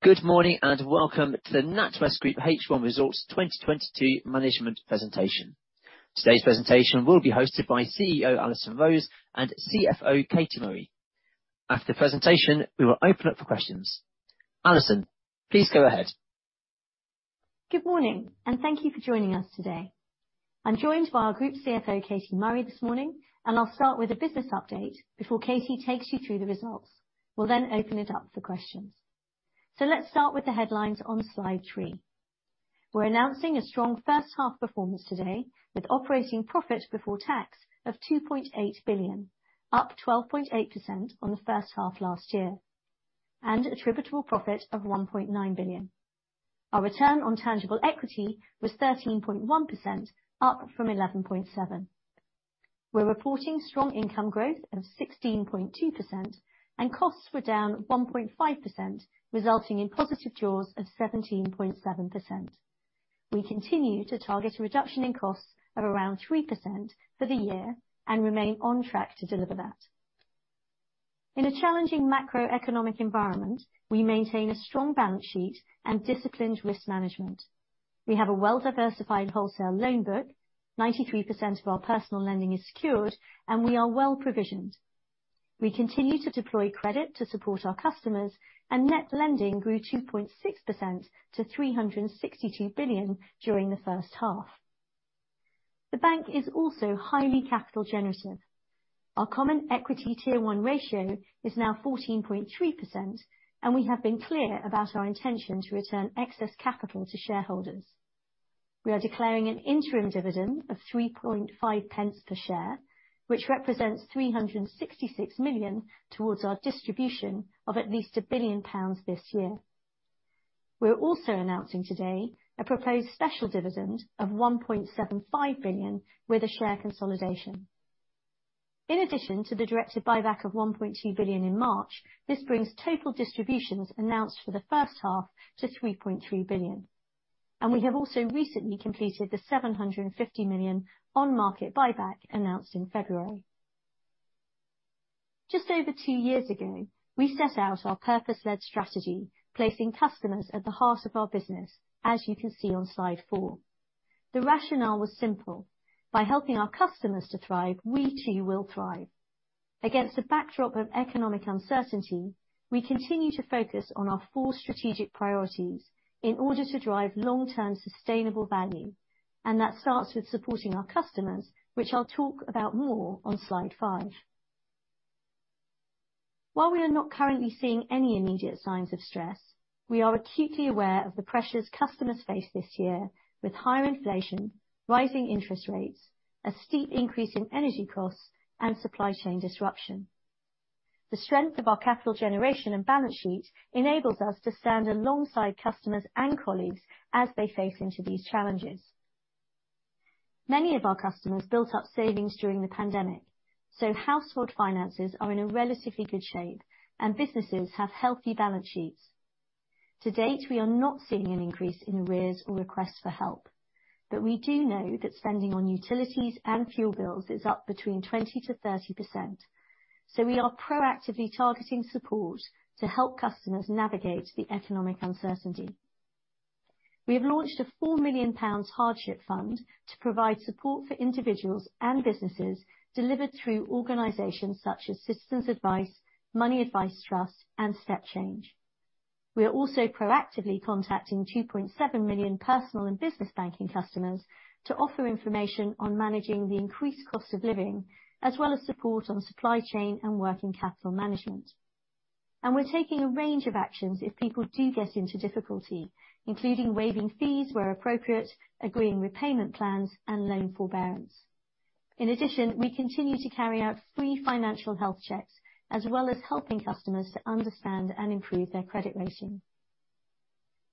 Good morning, and welcome to the NatWest Group H1 Results 2022 Management Presentation. Today's presentation will be hosted by CEO Alison Rose and CFO Katie Murray. After the presentation, we will open up for questions. Alison, please go ahead. Good morning, and thank you for joining us today. I'm joined by our Group CFO, Katie Murray, this morning, and I'll start with a business update before Katie takes you through the results. We'll then open it up for questions. Let's start with the headlines on Slide 3. We're announcing a strong H1 performance today with operating profit before tax of 2.8 billion, up 12.8% on the H1 last year, and attributable profit of 1.9 billion. Our return on tangible equity was 13.1%, up from 11.7%. We're reporting strong income growth of 16.2% and costs were down 1.5%, resulting in positive jaws of 17.7%. We continue to target a reduction in costs of around 3% for the year and remain on track to deliver that. In a challenging macroeconomic environment, we maintain a strong balance sheet and disciplined risk management. We have a well-diversified wholesale loan book, 93% of our personal lending is secured, and we are well provisioned. We continue to deploy credit to support our customers, and net lending grew 2.6% to 362 billion during the H1. The bank is also highly capital generative. Our common equity tier one ratio is now 14.3%, and we have been clear about our intention to return excess capital to shareholders. We are declaring an interim dividend of 3.5 pence per share, which represents 366 million towards our distribution of at least 1 billion pounds this year. We're also announcing today a proposed special dividend of 1.75 billion with a share consolidation. In addition to the directed buyback of 1.2 billion in March, this brings total distributions announced for the H1 to 3.3 billion. We have also recently completed the 750 million on market buyback announced in February. Just over two years ago, we set out our purpose-led strategy, placing customers at the heart of our business, as you can see on Slide 4. The rationale was simple. By helping our customers to thrive, we too will thrive. Against a backdrop of economic uncertainty, we continue to focus on our four strategic priorities in order to drive long-term sustainable value, and that starts with supporting our customers, which I'll talk about more on Slide 5. While we are not currently seeing any immediate signs of stress, we are acutely aware of the pressures customers face this year with higher inflation, rising interest rates, a steep increase in energy costs, and supply chain disruption. The strength of our capital generation and balance sheet enables us to stand alongside customers and colleagues as they face into these challenges. Many of our customers built up savings during the pandemic, so household finances are in a relatively good shape, and businesses have healthy balance sheets. To date, we are not seeing an increase in arrears or requests for help, but we do know that spending on utilities and fuel bills is up between 20%-30%. We are proactively targeting support to help customers navigate the economic uncertainty. We have launched a 4 million pounds hardship fund to provide support for individuals and businesses delivered through organizations such as Citizens Advice, Money Advice Trust, and StepChange. We are also proactively contacting 2.7 million personal and business banking customers to offer information on managing the increased cost of living, as well as support on supply chain and working capital management. We're taking a range of actions if people do get into difficulty, including waiving fees where appropriate, agreeing repayment plans, and loan forbearance. In addition, we continue to carry out free financial health checks, as well as helping customers to understand and improve their credit rating.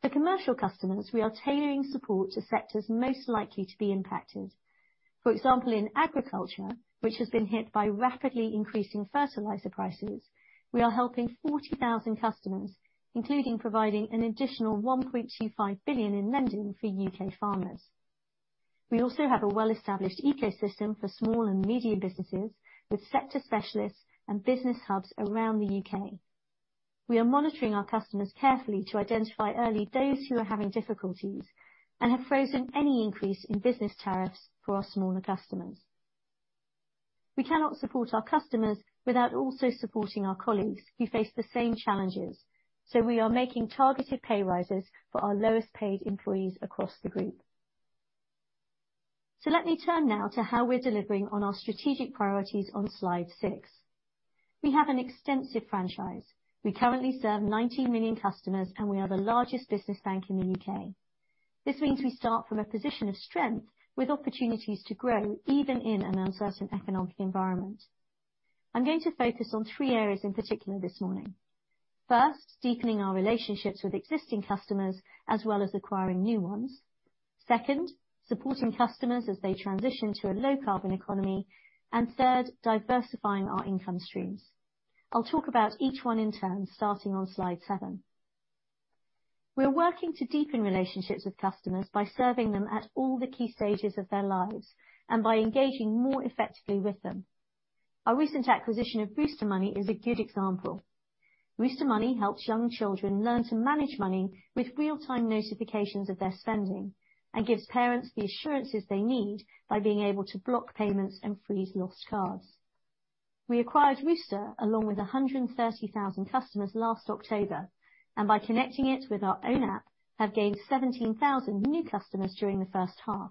For commercial customers, we are tailoring support to sectors most likely to be impacted. For example, in agriculture, which has been hit by rapidly increasing fertilizer prices, we are helping 40,000 customers, including providing an additional GBP 1.25 billion in lending for UK farmers. We also have a well-established ecosystem for small and medium businesses with sector specialists and business hubs around the UK. We are monitoring our customers carefully to identify early those who are having difficulties and have frozen any increase in business tariffs for our smaller customers. We cannot support our customers without also supporting our colleagues who face the same challenges, so we are making targeted pay rises for our lowest paid employees across the group. Let me turn now to how we're delivering on our strategic priorities on Slide 6. We have an extensive franchise. We currently serve 19 million customers, and we are the largest business bank in the UK. This means we start from a position of strength with opportunities to grow even in an uncertain economic environment. I'm going to focus on three areas in particular this morning. First, deepening our relationships with existing customers, as well as acquiring new ones. Second, supporting customers as they transition to a low carbon economy. Third, diversifying our income streams. I'll talk about each one in turn, starting on Slide 7. We're working to deepen relationships with customers by serving them at all the key stages of their lives, and by engaging more effectively with them. Our recent acquisition of Rooster Money is a good example. Rooster Money helps young children learn to manage money with real-time notifications of their spending and gives parents the assurances they need by being able to block payments and freeze lost cards. We acquired Rooster along with 130,000 customers last October, and by connecting it with our own app, have gained 17,000 new customers during the H1.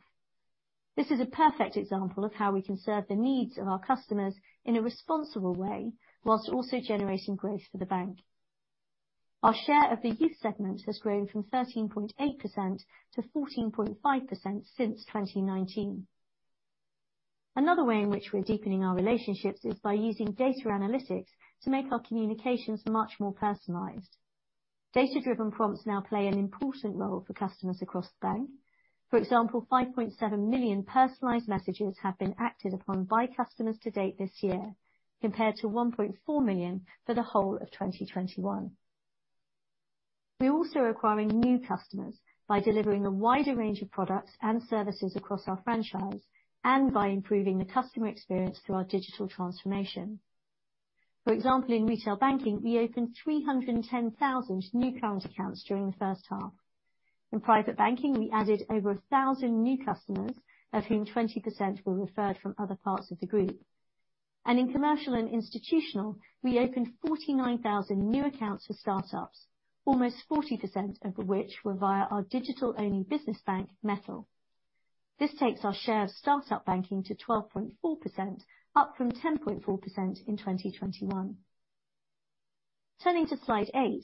This is a perfect example of how we can serve the needs of our customers in a responsible way while also generating growth for the bank. Our share of the youth segment has grown from 13.8% to 14.5% since 2019. Another way in which we're deepening our relationships is by using data analytics to make our communications much more personalized. Data-driven prompts now play an important role for customers across the bank. For example, 5.7 million personalized messages have been acted upon by customers to date this year, compared to 1.4 million for the whole of 2021. We're also acquiring new customers by delivering a wider range of products and services across our franchise, and by improving the customer experience through our digital transformation. For example, in retail banking, we opened 310,000 new current accounts during the H1. In private banking, we added over 1,000 new customers, of whom 20% were referred from other parts of the group. In commercial and institutional, we opened 49,000 new accounts for start-ups. Almost 40% of which were via our digital-only business bank, Mettle. This takes our share of start-up banking to 12.4%, up from 10.4% in 2021. Turning to Slide 8,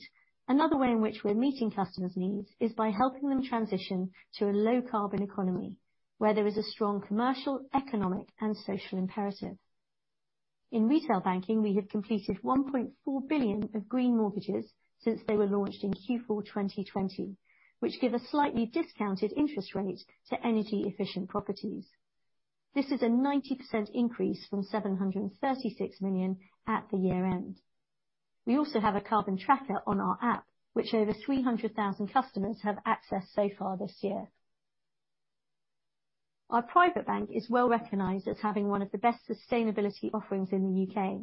another way in which we're meeting customers' needs is by helping them transition to a low carbon economy, where there is a strong commercial, economic, and social imperative. In retail banking, we have completed 1.4 billion of Green Mortgages since they were launched in Q4 2020, which give a slightly discounted interest rate to energy-efficient properties. This is a 90% increase from 736 million at the year-end. We also have a Carbon Tracker on our app, which over 300,000 customers have accessed so far this year. Our private bank is well-recognized as having one of the best sustainability offerings in the UK,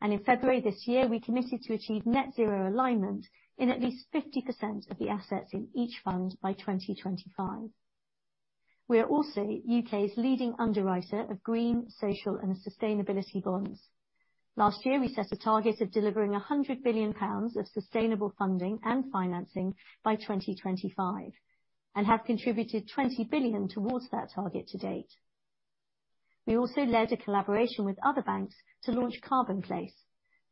and in February this year, we committed to achieve net zero alignment in at least 50% of the assets in each fund by 2025. We are also UK's leading underwriter of green, social, and sustainability bonds. Last year, we set a target of delivering 100 billion pounds of sustainable funding and financing by 2025, and have contributed 20 billion towards that target to date. We also led a collaboration with other banks to launch Carbonplace,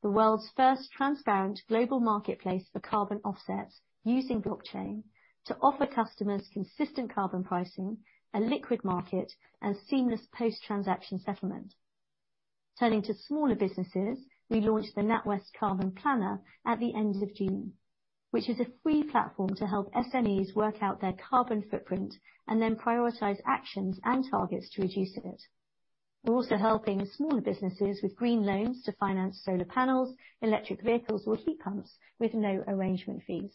the world's first transparent global marketplace for carbon offsets using blockchain to offer customers consistent carbon pricing, a liquid market, and seamless post-transaction settlement. Turning to smaller businesses, we launched the NatWest Carbon Planner at the end of June, which is a free platform to help SMEs work out their carbon footprint and then prioritize actions and targets to reduce it. We're also helping smaller businesses with green loans to finance solar panels, electric vehicles, or heat pumps with no arrangement fees.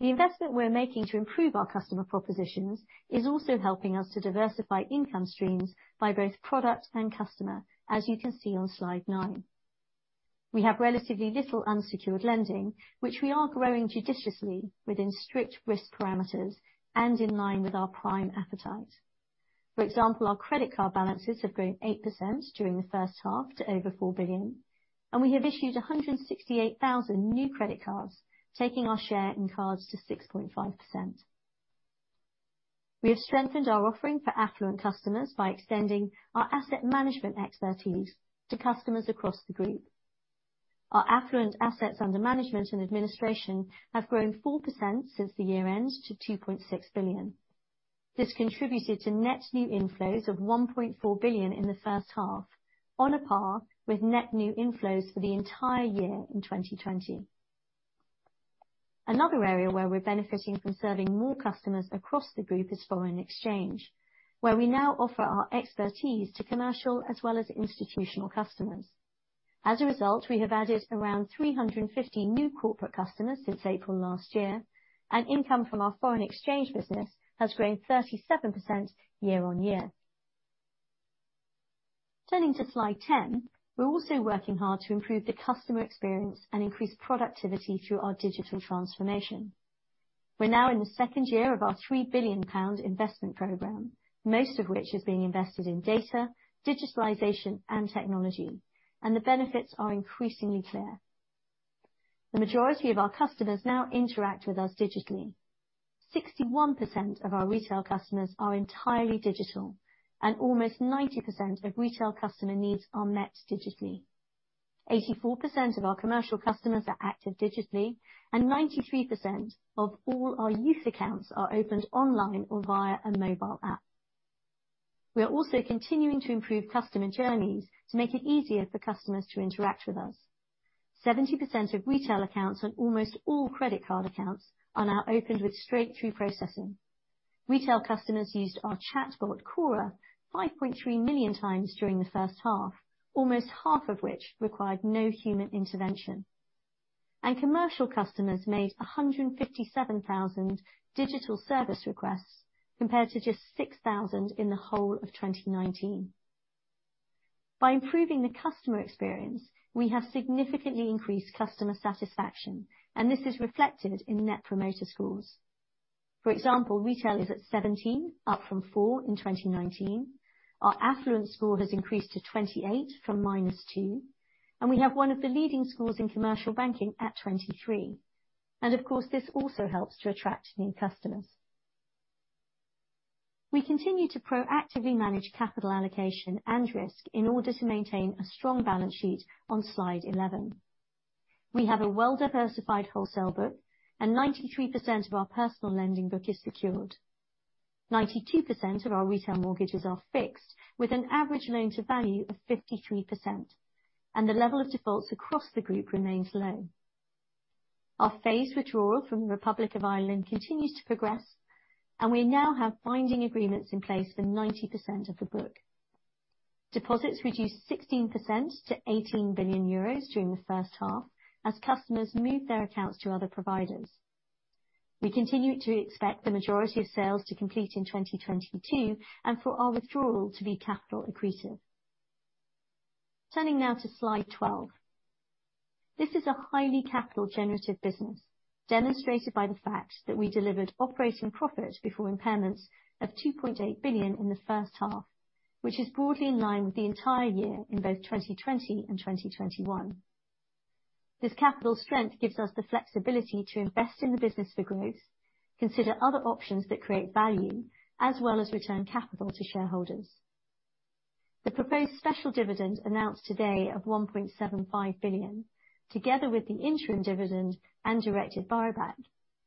The investment we're making to improve our customer propositions is also helping us to diversify income streams by both product and customer, as you can see on Slide 9. We have relatively little unsecured lending, which we are growing judiciously within strict risk parameters and in line with our prime appetite. For example, our credit card balances have grown 8% during the H1 to over 4 billion, and we have issued 168,000 new credit cards, taking our share in cards to 6.5%. We have strengthened our offering for affluent customers by extending our asset management expertise to customers across the group. Our affluent assets under management and administration have grown 4% since the year-end to 2.6 billion. This contributed to net new inflows of 1.4 billion in the H1, on a par with net new inflows for the entire year in 2020. Another area where we're benefiting from serving more customers across the group is foreign exchange, where we now offer our expertise to commercial as well as institutional customers. As a result, we have added around 350 new corporate customers since April last year, and income from our foreign exchange business has grown 37% year-over-year. Turning to Slide 10, we're also working hard to improve the customer experience and increase productivity through our digital transformation. We're now in the second year of our 3 billion pound investment program, most of which is being invested in data, digitalization, and technology, and the benefits are increasingly clear. The majority of our customers now interact with us digitally. 61% of our retail customers are entirely digital, and almost 90% of retail customer needs are met digitally. 84% of our commercial customers are active digitally, and 93% of all our youth accounts are opened online or via a mobile app. We are also continuing to improve customer journeys to make it easier for customers to interact with us. 70% of retail accounts and almost all credit card accounts are now opened with straight-through processing. Retail customers used our chatbot, Cora, 5.3 million times during the H1, almost half of which required no human intervention. Commercial customers made 157,000 digital service requests compared to just 6,000 in the whole of 2019. By improving the customer experience, we have significantly increased customer satisfaction, and this is reflected in Net Promoter Scores. For example, retail is at 17, up from four in 2019. Our affluent score has increased to 28 from -2. We have one of the leading scores in commercial banking at 23. Of course, this also helps to attract new customers. We continue to proactively manage capital allocation and risk in order to maintain a strong balance sheet on Slide 11. We have a well-diversified wholesale book, and 93% of our personal lending book is secured. 92% of our retail mortgages are fixed, with an average loan to value of 53%, and the level of defaults across the group remains low. Our phased withdrawal from the Republic of Ireland continues to progress, and we now have binding agreements in place for 90% of the book. Deposits reduced 16% to 18 billion euros during the H1 as customers moved their accounts to other providers. We continue to expect the majority of sales to complete in 2022 and for our withdrawal to be capital accretive. Turning now to Slide 12. This is a highly capital generative business, demonstrated by the fact that we delivered operating profit before impairments of 2.8 billion in the H1, which is broadly in line with the entire year in both 2020 and 2021. This capital strength gives us the flexibility to invest in the business for growth, consider other options that create value, as well as return capital to shareholders. The proposed special dividend announced today of 1.75 billion, together with the interim dividend and directed buyback,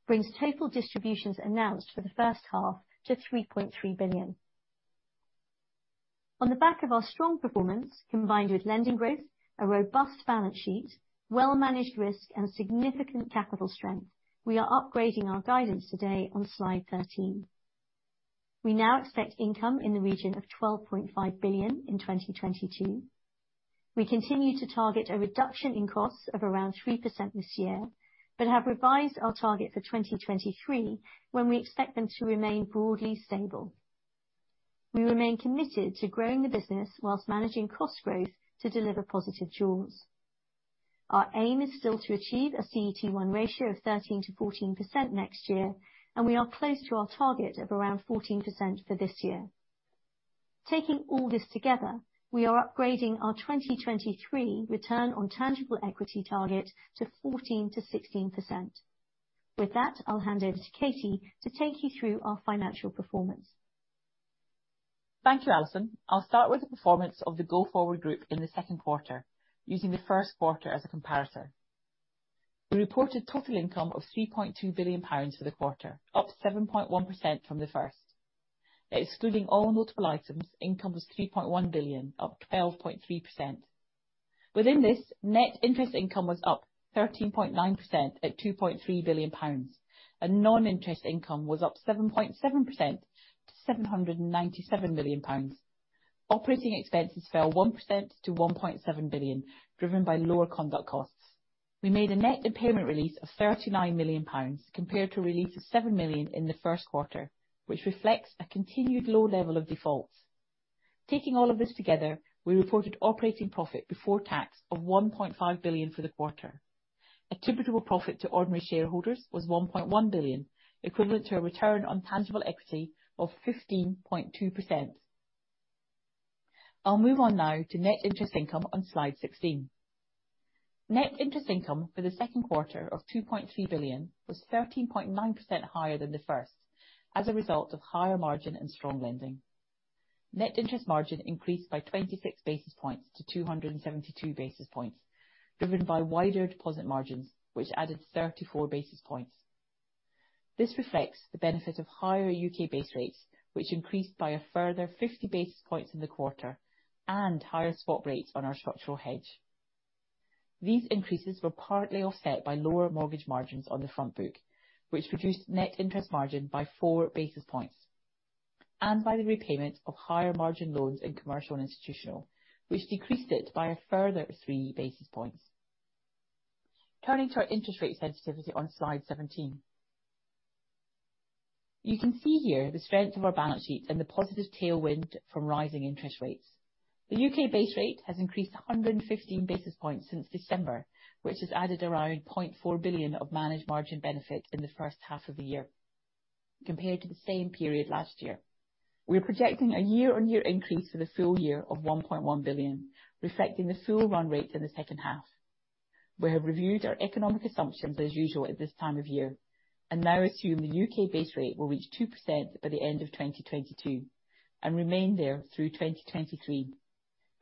brings total distributions announced for the H1 to 3.3 billion. On the back of our strong performance combined with lending growth, a robust balance sheet, well managed risk, and significant capital strength, we are upgrading our guidance today on Slide 13. We now expect income in the region of 12.5 billion in 2022. We continue to target a reduction in costs of around 3% this year, but have revised our target for 2023, when we expect them to remain broadly stable. We remain committed to growing the business while managing cost growth to deliver positive jaws. Our aim is still to achieve a CET1 ratio of 13%-14% next year, and we are close to our target of around 14% for this year. Taking all this together, we are upgrading our 2023 return on tangible equity target to 14%-16%. With that, I'll hand over to Katie to take you through our financial performance. Thank you, Alison. I'll start with the performance of the go forward group in the Q2, using the Q1 as a comparator. We reported total income of 3.2 billion pounds for the quarter, up 7.1% from the first. Excluding all notable items, income was 3.1 billion, up 12.3%. Within this, net interest income was up 13.9% at 2.3 billion pounds. Non-interest income was up 7.7% to 797 million pounds. Operating expenses fell 1% to 1.7 billion, driven by lower conduct costs. We made a net impairment release of 39 million pounds compared to a release of 7 million in the Q1, which reflects a continued low level of defaults. Taking all of this together, we reported operating profit before tax of GBP 1.5 billion for the quarter. Attributable profit to ordinary shareholders was GBP 1.1 billion, equivalent to a return on tangible equity of 15.2%. I'll move on now to net interest income on Slide 16. Net interest income for the Q2 of 2.3 billion was 13.9% higher than the first as a result of higher margin and strong lending. Net interest margin increased by 26 basis points to 272 basis points, driven by wider deposit margins, which added 34 basis points. This reflects the benefit of higher UK base rates, which increased by a further 50 basis points in the quarter and higher swap rates on our structural hedge. These increases were partly offset by lower mortgage margins on the front book, which reduced net interest margin by four basis points, and by the repayment of higher margin loans in commercial and industrial, which decreased it by a further three basis points. Turning to our interest rate sensitivity on Slide 17. You can see here the strength of our balance sheet and the positive tailwind from rising interest rates. The UK base rate has increased 115 basis points since December, which has added around 0.4 billion of managed margin benefit in the H1 of the year compared to the same period last year. We are projecting a year-on-year increase for the FY of 1.1 billion, reflecting the full run rates in the H2. We have reviewed our economic assumptions as usual at this time of year, and now assume the U.K. base rate will reach 2% by the end of 2022 and remain there through 2023.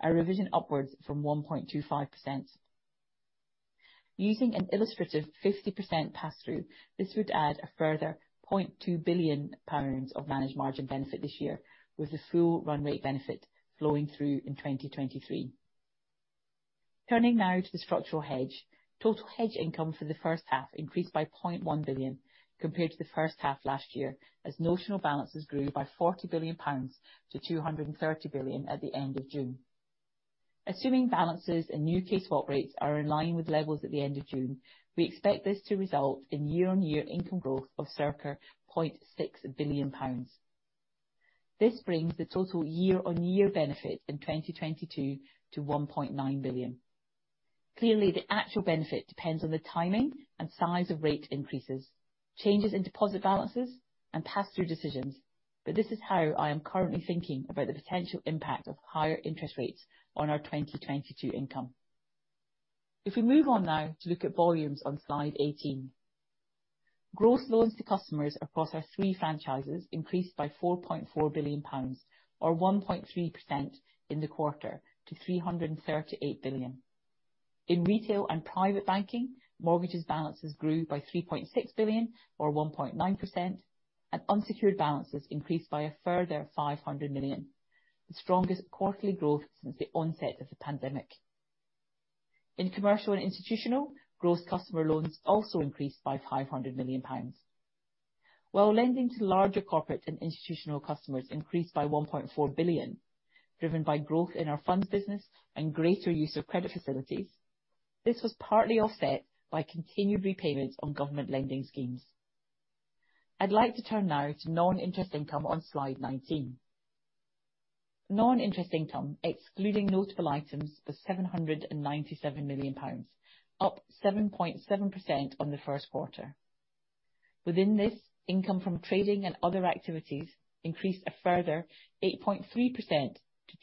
A revision upwards from 1.25%. Using an illustrative 50% pass-through, this would add a further 0.2 billion pounds of managed margin benefit this year, with the full run rate benefit flowing through in 2023. Turning now to the structural hedge. Total hedge income for the H1 increased by 0.1 billion compared to the H1 last year, as notional balances grew by 40 billion pounds to 230 billion at the end of June. Assuming balances and UK swap rates are in line with levels at the end of June, we expect this to result in year-on-year income growth of circa 0.6 billion pounds. This brings the total year-on-year benefit in 2022 to 1.9 billion. Clearly, the actual benefit depends on the timing and size of rate increases, changes in deposit balances and pass-through decisions. This is how I am currently thinking about the potential impact of higher interest rates on our 2022 income. If we move on now to look at volumes on Slide 18. Gross loans to customers across our three franchises increased by 4.4 billion pounds or 1.3% in the quarter to 338 billion. In retail and private banking, mortgage balances grew by 3.6 billion or 1.9%, and unsecured balances increased by a further 500 million, the strongest quarterly growth since the onset of the pandemic. In commercial and institutional, gross customer loans also increased by 500 million pounds. While lending to larger corporate and institutional customers increased by 1.4 billion, driven by growth in our funds business and greater use of credit facilities, this was partly offset by continued repayments on government lending schemes. I'd like to turn now to non-interest income on Slide 19. Non-interest income, excluding notable items, was 797 million pounds, up 7.7% on the Q1. Within this, income from trading and other activities increased a further 8.3% to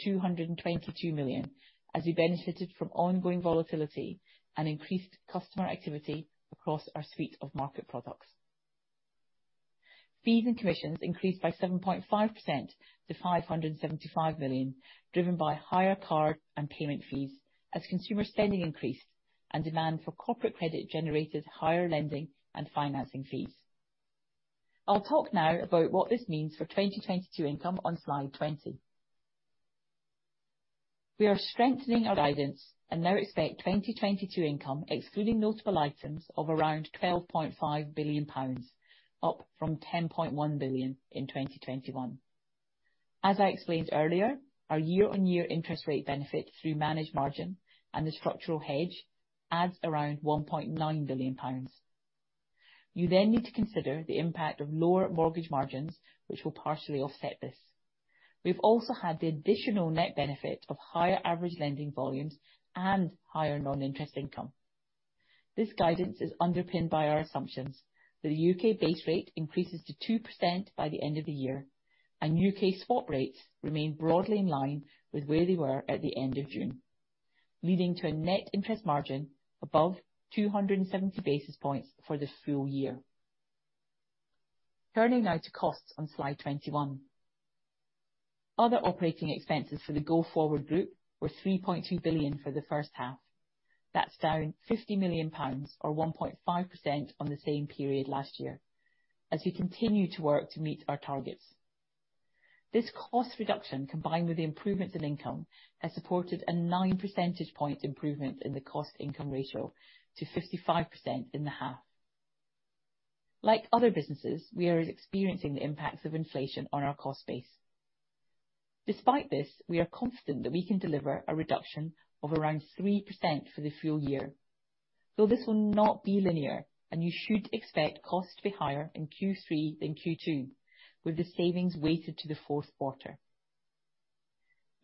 222 million, as we benefited from ongoing volatility and increased customer activity across our suite of market products. Fees and commissions increased by 7.5% to 575 million, driven by higher card and payment fees as consumer spending increased and demand for corporate credit generated higher lending and financing fees. I'll talk now about what this means for 2022 income on Slide 20. We are strengthening our guidance and now expect 2022 income, excluding notable items, of around 12.5 billion pounds, up from 10.1 billion in 2021. As I explained earlier, our year-on-year interest rate benefit through managed margin and the structural hedge adds around 1.9 billion pounds. You need to consider the impact of lower mortgage margins, which will partially offset this. We've also had the additional net benefit of higher average lending volumes and higher non-interest income. This guidance is underpinned by our assumptions that the UK base rate increases to 2% by the end of the year, and UK swap rates remain broadly in line with where they were at the end of June, leading to a net interest margin above 270 basis points for the FY. Turning now to costs on Slide 21. Other operating expenses for the go-forward group were 3.2 billion for the H1. That's down 50 million pounds or 1.5% on the same period last year, as we continue to work to meet our targets. This cost reduction, combined with the improvements in income, has supported a 9% point improvement in the cost-income ratio to 55% in the half. Like other businesses, we are experiencing the impacts of inflation on our cost base. Despite this, we are confident that we can deliver a reduction of around 3% for the FY, though this will not be linear and you should expect costs to be higher in Q3 than Q2, with the savings weighted to the Q4.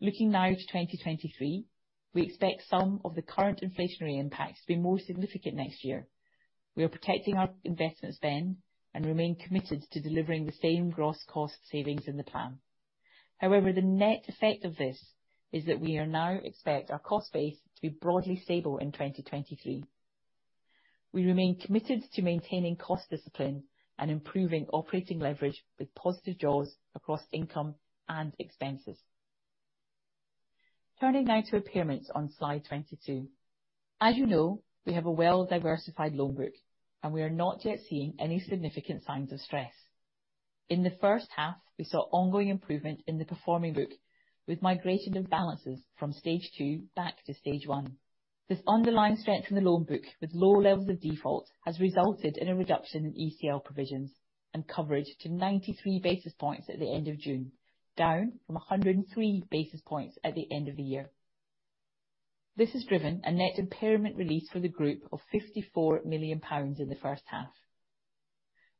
Looking now to 2023, we expect some of the current inflationary impacts to be more significant next year. We are protecting our investment spend and remain committed to delivering the same gross cost savings in the plan. However, the net effect of this is that we now expect our cost base to be broadly stable in 2023. We remain committed to maintaining cost discipline and improving operating leverage with positive jaws across income and expenses. Turning now to impairments on Slide 22. As you know, we have a well-diversified loan book, and we are not yet seeing any significant signs of stress. In the H1, we saw ongoing improvement in the performing book, with migration of balances from stage two back to stage one. This underlying strength in the loan book with low levels of default has resulted in a reduction in ECL provisions and coverage to 93 basis points at the end of June, down from 103 basis points at the end of the year. This has driven a net impairment release for the group of 54 million pounds in the H1.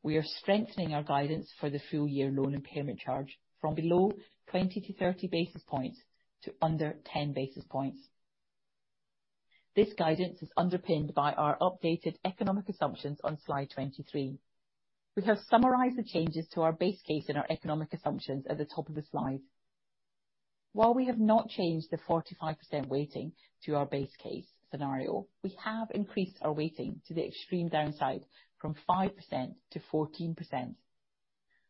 We are strengthening our guidance for the FY loan impairment charge from below 20-30 basis points to under 10 basis points. This guidance is underpinned by our updated economic assumptions on Slide 23. We have summarized the changes to our base case and our economic assumptions at the top of the Slide. While we have not changed the 45% weighting to our base case scenario, we have increased our weighting to the extreme downside from 5% to 14%.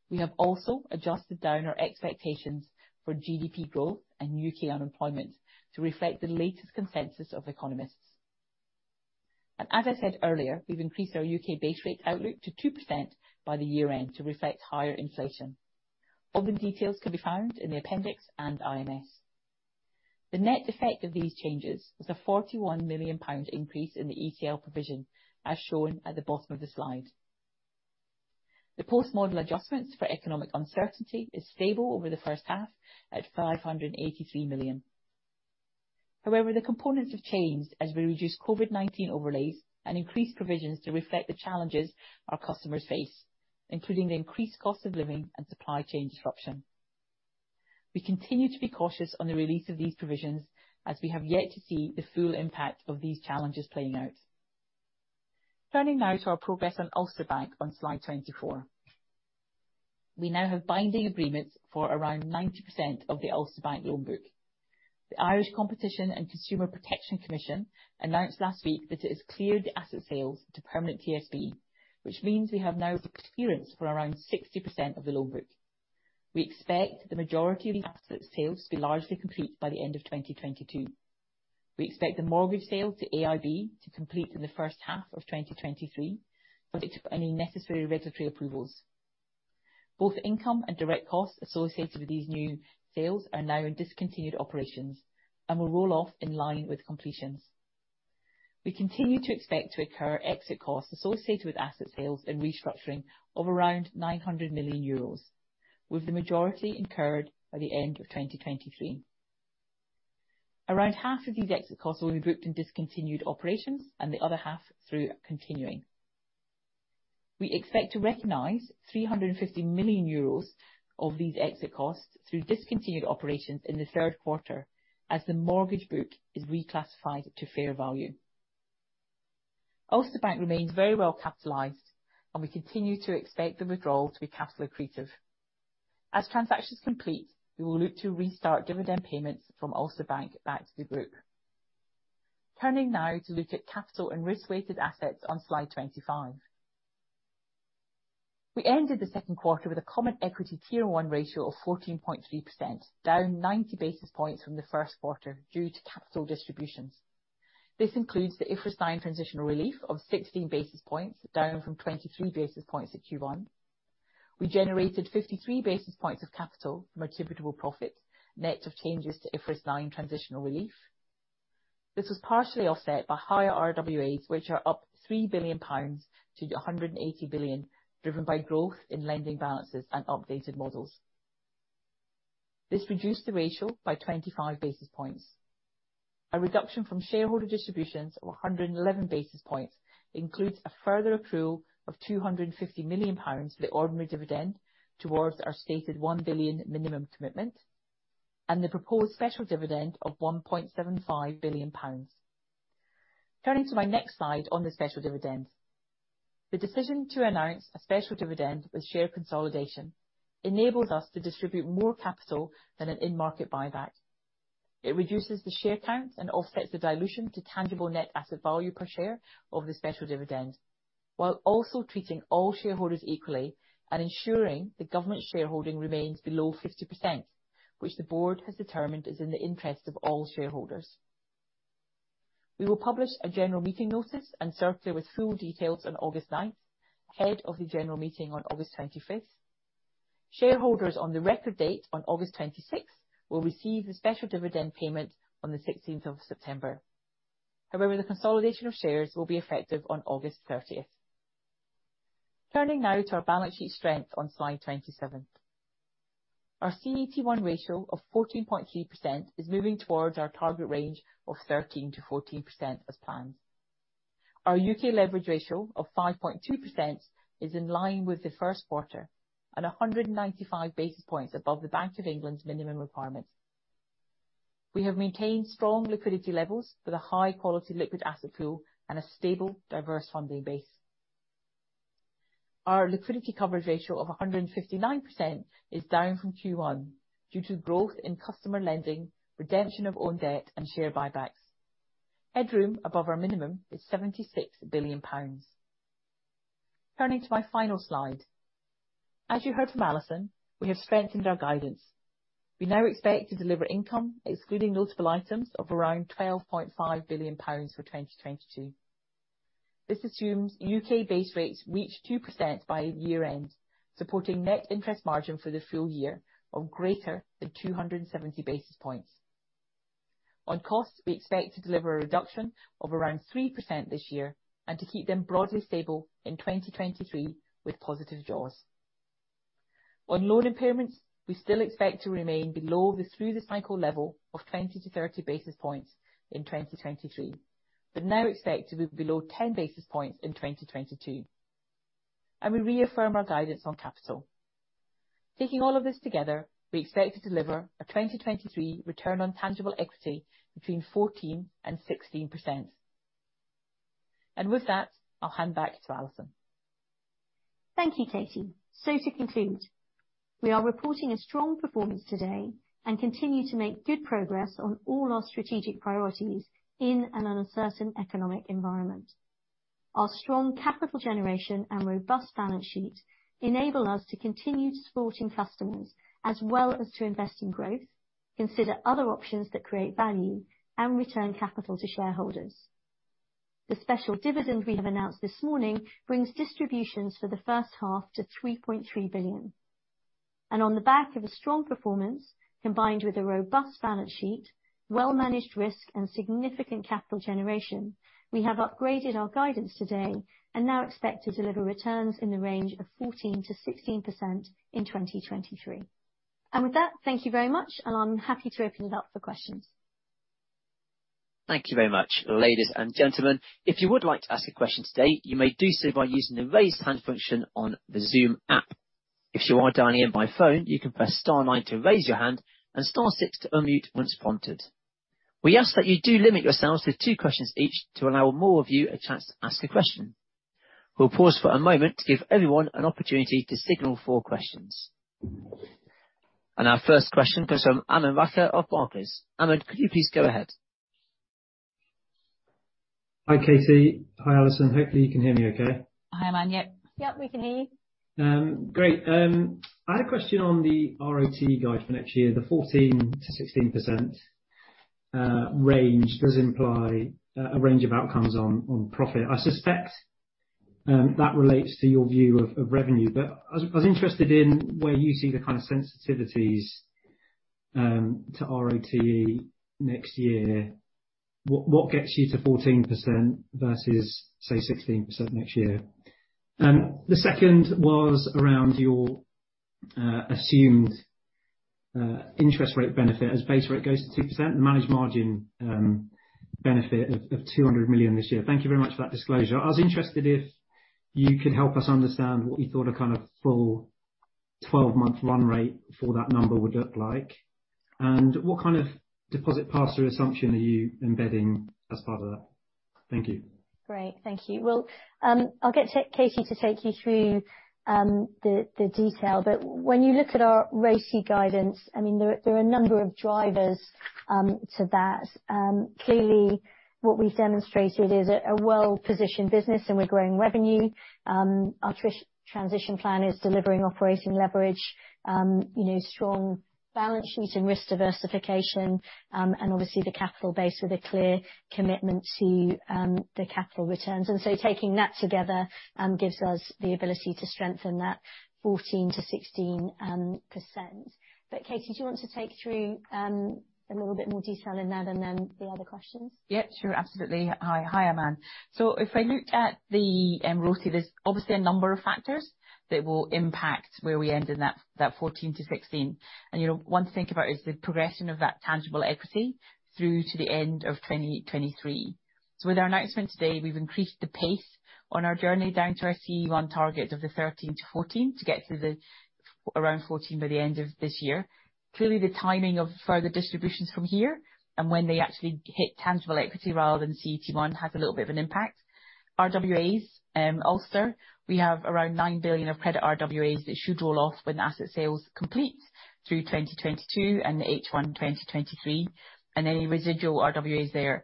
We have also adjusted down our expectations for GDP growth and UK unemployment to reflect the latest consensus of economists. As I said earlier, we've increased our UK base rate outlook to 2% by the year-end to reflect higher inflation. All the details can be found in the appendix and IMS. The net effect of these changes is a 41 million pound increase in the ECL provision, as shown at the bottom of the Slide. The post-model adjustments for economic uncertainty is stable over the H1 at 583 million. However, the components have changed as we reduce COVID-19 overlays and increased provisions to reflect the challenges our customers face, including the increased cost of living and supply chain disruption. We continue to be cautious on the release of these provisions, as we have yet to see the full impact of these challenges playing out. Turning now to our progress on Ulster Bank on Slide 24. We now have binding agreements for around 90% of the Ulster Bank loan book. The Irish Competition and Consumer Protection Commission announced last week that it has cleared the asset sales to Permanent TSB, which means we now have experience for around 60% of the loan book. We expect the majority of these asset sales to be largely complete by the end of 2022. We expect the mortgage sale to AIB to complete in the H1 of 2023, subject to any necessary regulatory approvals. Both income and direct costs associated with these new sales are now in discontinued operations and will roll off in line with completions. We continue to expect to incur exit costs associated with asset sales and restructuring of around 900 million euros, with the majority incurred by the end of 2023. Around half of these exit costs will be grouped in discontinued operations and the other half through continuing. We expect to recognize 350 million euros of these exit costs through discontinued operations in the Q3 as the mortgage book is reclassified to fair value. Ulster Bank remains very well capitalized, and we continue to expect the withdrawal to be capital accretive. As transactions complete, we will look to restart dividend payments from Ulster Bank back to the group. Turning now to look at capital and risk-weighted assets on Slide 25. We ended the Q2 with a common equity tier one ratio of 14.3%, down 90 basis points from the Q1 due to capital distributions. This includes the IFRS 9 transitional relief of 16 basis points, down from 23 basis points at Q1. We generated 53 basis points of capital from attributable profits, net of changes to IFRS 9 transitional relief. This was partially offset by higher RWAs, which are up 3 billion pounds to 180 billion, driven by growth in lending balances and updated models. This reduced the ratio by 25 basis points. A reduction from shareholder distributions of 111 basis points includes a further accrual of 250 million pounds for the ordinary dividend towards our stated 1 billion minimum commitment and the proposed special dividend of 1.75 billion pounds. Turning to my next Slide on the special dividend. The decision to announce a special dividend with share consolidation enables us to distribute more capital than an in-market buyback. It reduces the share count and offsets the dilution to tangible net asset value per share of the special dividend, while also treating all shareholders equally and ensuring the government shareholding remains below 50%, which the board has determined is in the interest of all shareholders. We will publish a general meeting notice and circulate with full details on August 9th, ahead of the general meeting on August 25th. Shareholders on the record date on August 26th will receive the special dividend payment on the 16th of September. However, the consolidation of shares will be effective on August 30th. Turning now to our balance sheet strength on Slide 27. Our CET1 ratio of 14.3% is moving towards our target range of 13%-14% as planned. Our UK leverage ratio of 5.2% is in line with the Q1 and 195 basis points above the Bank of England's minimum requirements. We have maintained strong liquidity levels with a high quality liquid asset pool and a stable diverse funding base. Our liquidity coverage ratio of 159% is down from Q1 due to growth in customer lending, redemption of own debt, and share buybacks. Headroom above our minimum is 76 billion pounds. Turning to my final slide. As you heard from Alison, we have strengthened our guidance. We now expect to deliver income, excluding notable items, of around 12.5 billion pounds for 2022. This assumes UK base rates reach 2% by year-end, supporting net interest margin for the FY of greater than 270 basis points. On costs, we expect to deliver a reduction of around 3% this year and to keep them broadly stable in 2023 with positive jaws. On loan impairments, we still expect to remain below the through the cycle level of 20-30 basis points in 2023, but now expect to be below 10 basis points in 2022. We reaffirm our guidance on capital. Taking all of this together, we expect to deliver a 2023 return on tangible equity between 14%-16%. With that, I'll hand back to Alison. Thank you, Katie. To conclude, we are reporting a strong performance today and continue to make good progress on all our strategic priorities in an uncertain economic environment. Our strong capital generation and robust balance sheet enable us to continue supporting customers as well as to invest in growth, consider other options that create value, and return capital to shareholders. The special dividend we have announced this morning brings distributions for the H1 to 3.3 billion. On the back of a strong performance, combined with a robust balance sheet, well-managed risk, and significant capital generation, we have upgraded our guidance today and now expect to deliver returns in the range of 14%-16% in 2023. With that, thank you very much, and I'm happy to open it up for questions. Thank you very much. Ladies and gentlemen, if you would like to ask a question today, you may do so by using the Raise Hand function on the Zoom app. If you are dialing in by phone, you can press star nine to raise your hand and star six to unmute once prompted. We ask that you do limit yourselves to two questions each to allow more of you a chance to ask a question. We'll pause for a moment to give everyone an opportunity to signal for questions. Our first question comes from Aman Rakkar of Barclays. Aman, could you please go ahead? Hi, Katie. Hi, Alison. Hopefully you can hear me okay. Hi, Aman. Yep. Yep, we can hear you. Great. I had a question on the ROTE guide for next year. The 14%-16% range does imply a range of outcomes on profit. I suspect that relates to your view of revenue, but I was interested in where you see the kind of sensitivities to ROTE next year. What gets you to 14% versus, say, 16% next year? The second was around your assumed interest rate benefit as base rate goes to 2%, managed margin benefit of 200 million this year. Thank you very much for that disclosure. I was interested if you could help us understand what you thought a kind of full twelve-month run rate for that number would look like, and what kind of deposit pass-through assumption are you embedding as part of that? Thank you. Great. Thank you. Well, I'll get Katie to take you through the detail, but when you look at our ROTE guidance, I mean, there are a number of drivers to that. Clearly what we've demonstrated is a well-positioned business and we're growing revenue. Our transition plan is delivering operating leverage, you know, strong balance sheet and risk diversification, and obviously the capital base with a clear commitment to the capital returns. Taking that together gives us the ability to strengthen that 14%-16%. Katie, do you want to take through a little bit more detail in that and then the other questions? Yeah, sure. Absolutely. Hi. Hi, Aman. If I look at the ROTE, there's obviously a number of factors that will impact where we end in that 14%-16%. You know, one thing about is the progression of that tangible equity through to the end of 2023. With our announcement today, we've increased the pace on our journey down to our CET1 target of the 13%-14% to get to around 14% by the end of this year. Clearly, the timing of further distributions from here and when they actually hit tangible equity rather than CET1 has a little bit of an impact. RWAs, Ulster, we have around £9 billion of credit RWAs that should roll off when the asset sales complete through 2022 and H1 2023. Any residual RWAs there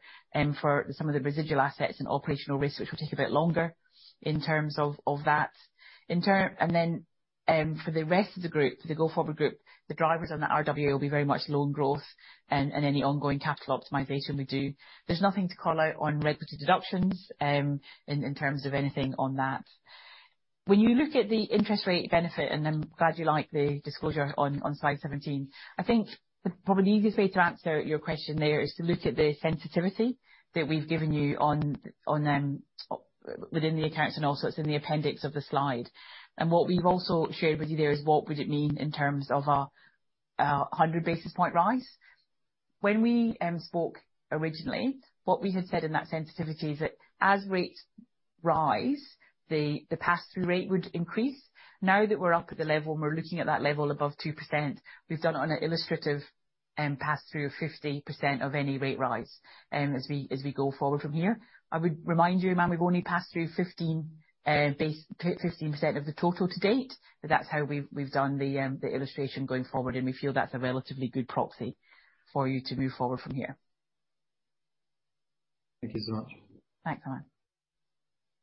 for some of the residual assets and operational risks, which will take a bit longer in terms of that. And then for the rest of the group, the go-forward group, the drivers on the RWA will be very much loan growth and any ongoing capital optimization we do. There's nothing to call out on regulatory deductions in terms of anything on that. When you look at the interest rate benefit, and I'm glad you like the disclosure on Slide 17, I think probably the easiest way to answer your question there is to look at the sensitivity that we've given you shown within the accounts and also it's in the appendix of the slide. What we've also shared with you there is what would it mean in terms of our 100 basis point rise. When we spoke originally, what we had said in that sensitivity is that as rates rise, the pass-through rate would increase. Now that we're up at the level and we're looking at that level above 2%, we've done it on an illustrative pass-through of 50% of any rate rise, as we go forward from here. I would remind you, Aman, we've only passed through 15% of the total to date, but that's how we've done the illustration going forward, and we feel that's a relatively good proxy for you to move forward from here. Thank you so much. Thanks, Aman.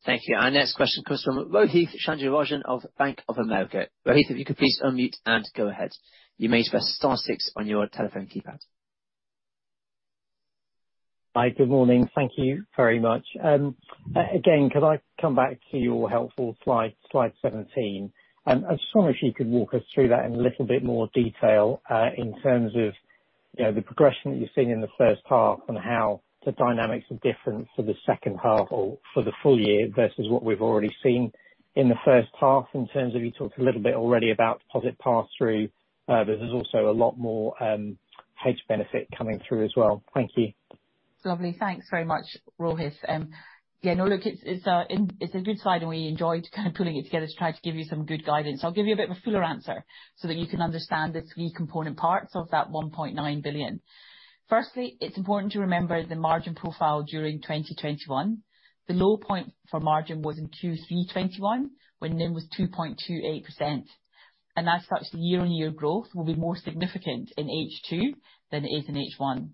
Thank you. Our next question comes from Rohith Chandra-Rajan of Bank of America. Rohith, if you could please unmute and go ahead. You may press star six on your telephone keypad. Hi. Good morning. Thank you very much. Again, could I come back to your helpful Slide 17? I was just wondering if you could walk us through that in a little bit more detail, in terms of, you know, the progression that you're seeing in the H1 and how the dynamics are different for the H2 or for the FY versus what we've already seen in the H1 in terms of, you talked a little bit already about deposit pass-through, but there's also a lot more, hedge benefit coming through as well. Thank you. Lovely. Thanks very much, Rohith. Yeah, no, look, it's a good slide, and we enjoyed kind of pulling it together to try to give you some good guidance. I'll give you a bit of a fuller answer so that you can understand the key component parts of that 1.9 billion. Firstly, it's important to remember the margin profile during 2021. The low point for margin was in Q3 2021 when NIM was 2.28%. As such, the year-on-year growth will be more significant in H2 than it is in H1.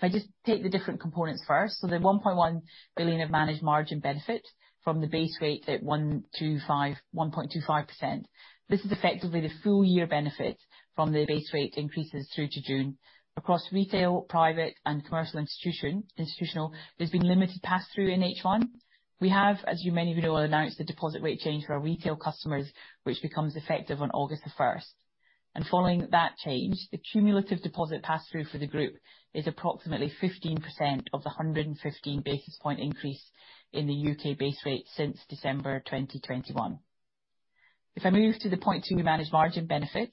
If I just take the different components first. So the 1.1 billion of managed margin benefit from the base rate at 1.25%. This is effectively the FY benefit from the base rate increases through to June. Across retail, private, and commercial institutional, there's been limited pass-through in H1. We have, as many of you know, announced the deposit rate change for our retail customers, which becomes effective on August 1st. Following that change, the cumulative deposit pass-through for the group is approximately 15% of the 115 basis point increase in the UK base rate since December 2021. If I move to the 0.2 managed margin benefit,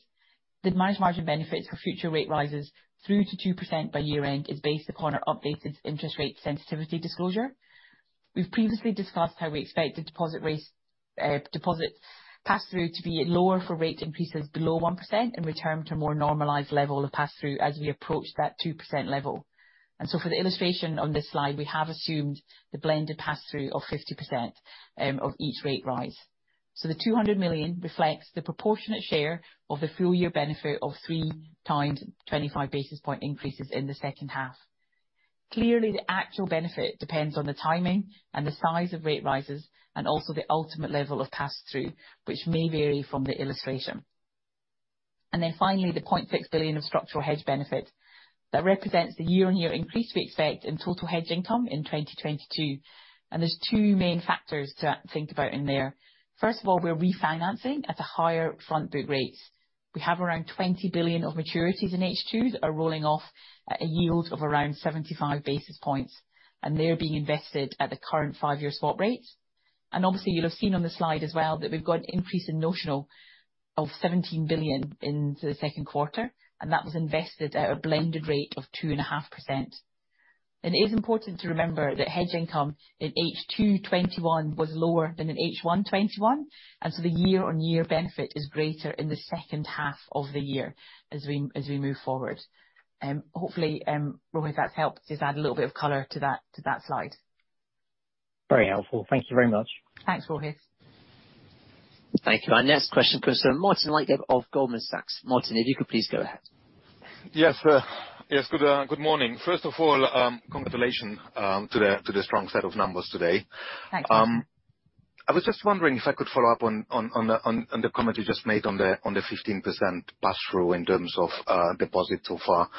the managed margin benefits for future rate rises through to 2% by year-end is based upon our updated interest rate sensitivity disclosure. We've previously discussed how we expect the deposit rates, deposit pass-through to be lower for rate increases below 1% and return to more normalized level of pass-through as we approach that 2% level. For the illustration on this slide, we have assumed the blended pass-through of 50% of each rate rise. The 200 million reflects the proportionate share of the FY benefit of three times 25 basis point increases in the H2. Clearly, the actual benefit depends on the timing and the size of rate rises, and also the ultimate level of pass-through, which may vary from the illustration. Finally, the 0.6 billion of structural hedge benefit. That represents the year-on-year increase we expect in total hedge income in 2022. There's two main factors to think about in there. First of all, we're refinancing at higher front book rates. We have around 20 billion of maturities in H2 that are rolling off at a yield of around 75 basis points, and they're being invested at the current five-year swap rate. Obviously, you'll have seen on the slide as well that we've got an increase in notional of 17 billion into the Q2, and that was invested at a blended rate of 2.5%. It is important to remember that hedge income in H2 2021 was lower than in H1 2021, and so the year-on-year benefit is greater in the H2 of the year as we move forward. Hopefully, Rohith, that's helped just add a little bit of color to that Slide. Very helpful. Thank you very much. Thanks, Rohith. Thank you. Our next question comes from Martin Leitgeb of Goldman Sachs. Martin, if you could please go ahead. Yes, good morning. First of all, congratulations to the strong set of numbers today. Thanks. I was just wondering if I could follow up on the comment you just made on the 15% pass-through in terms of deposits so far.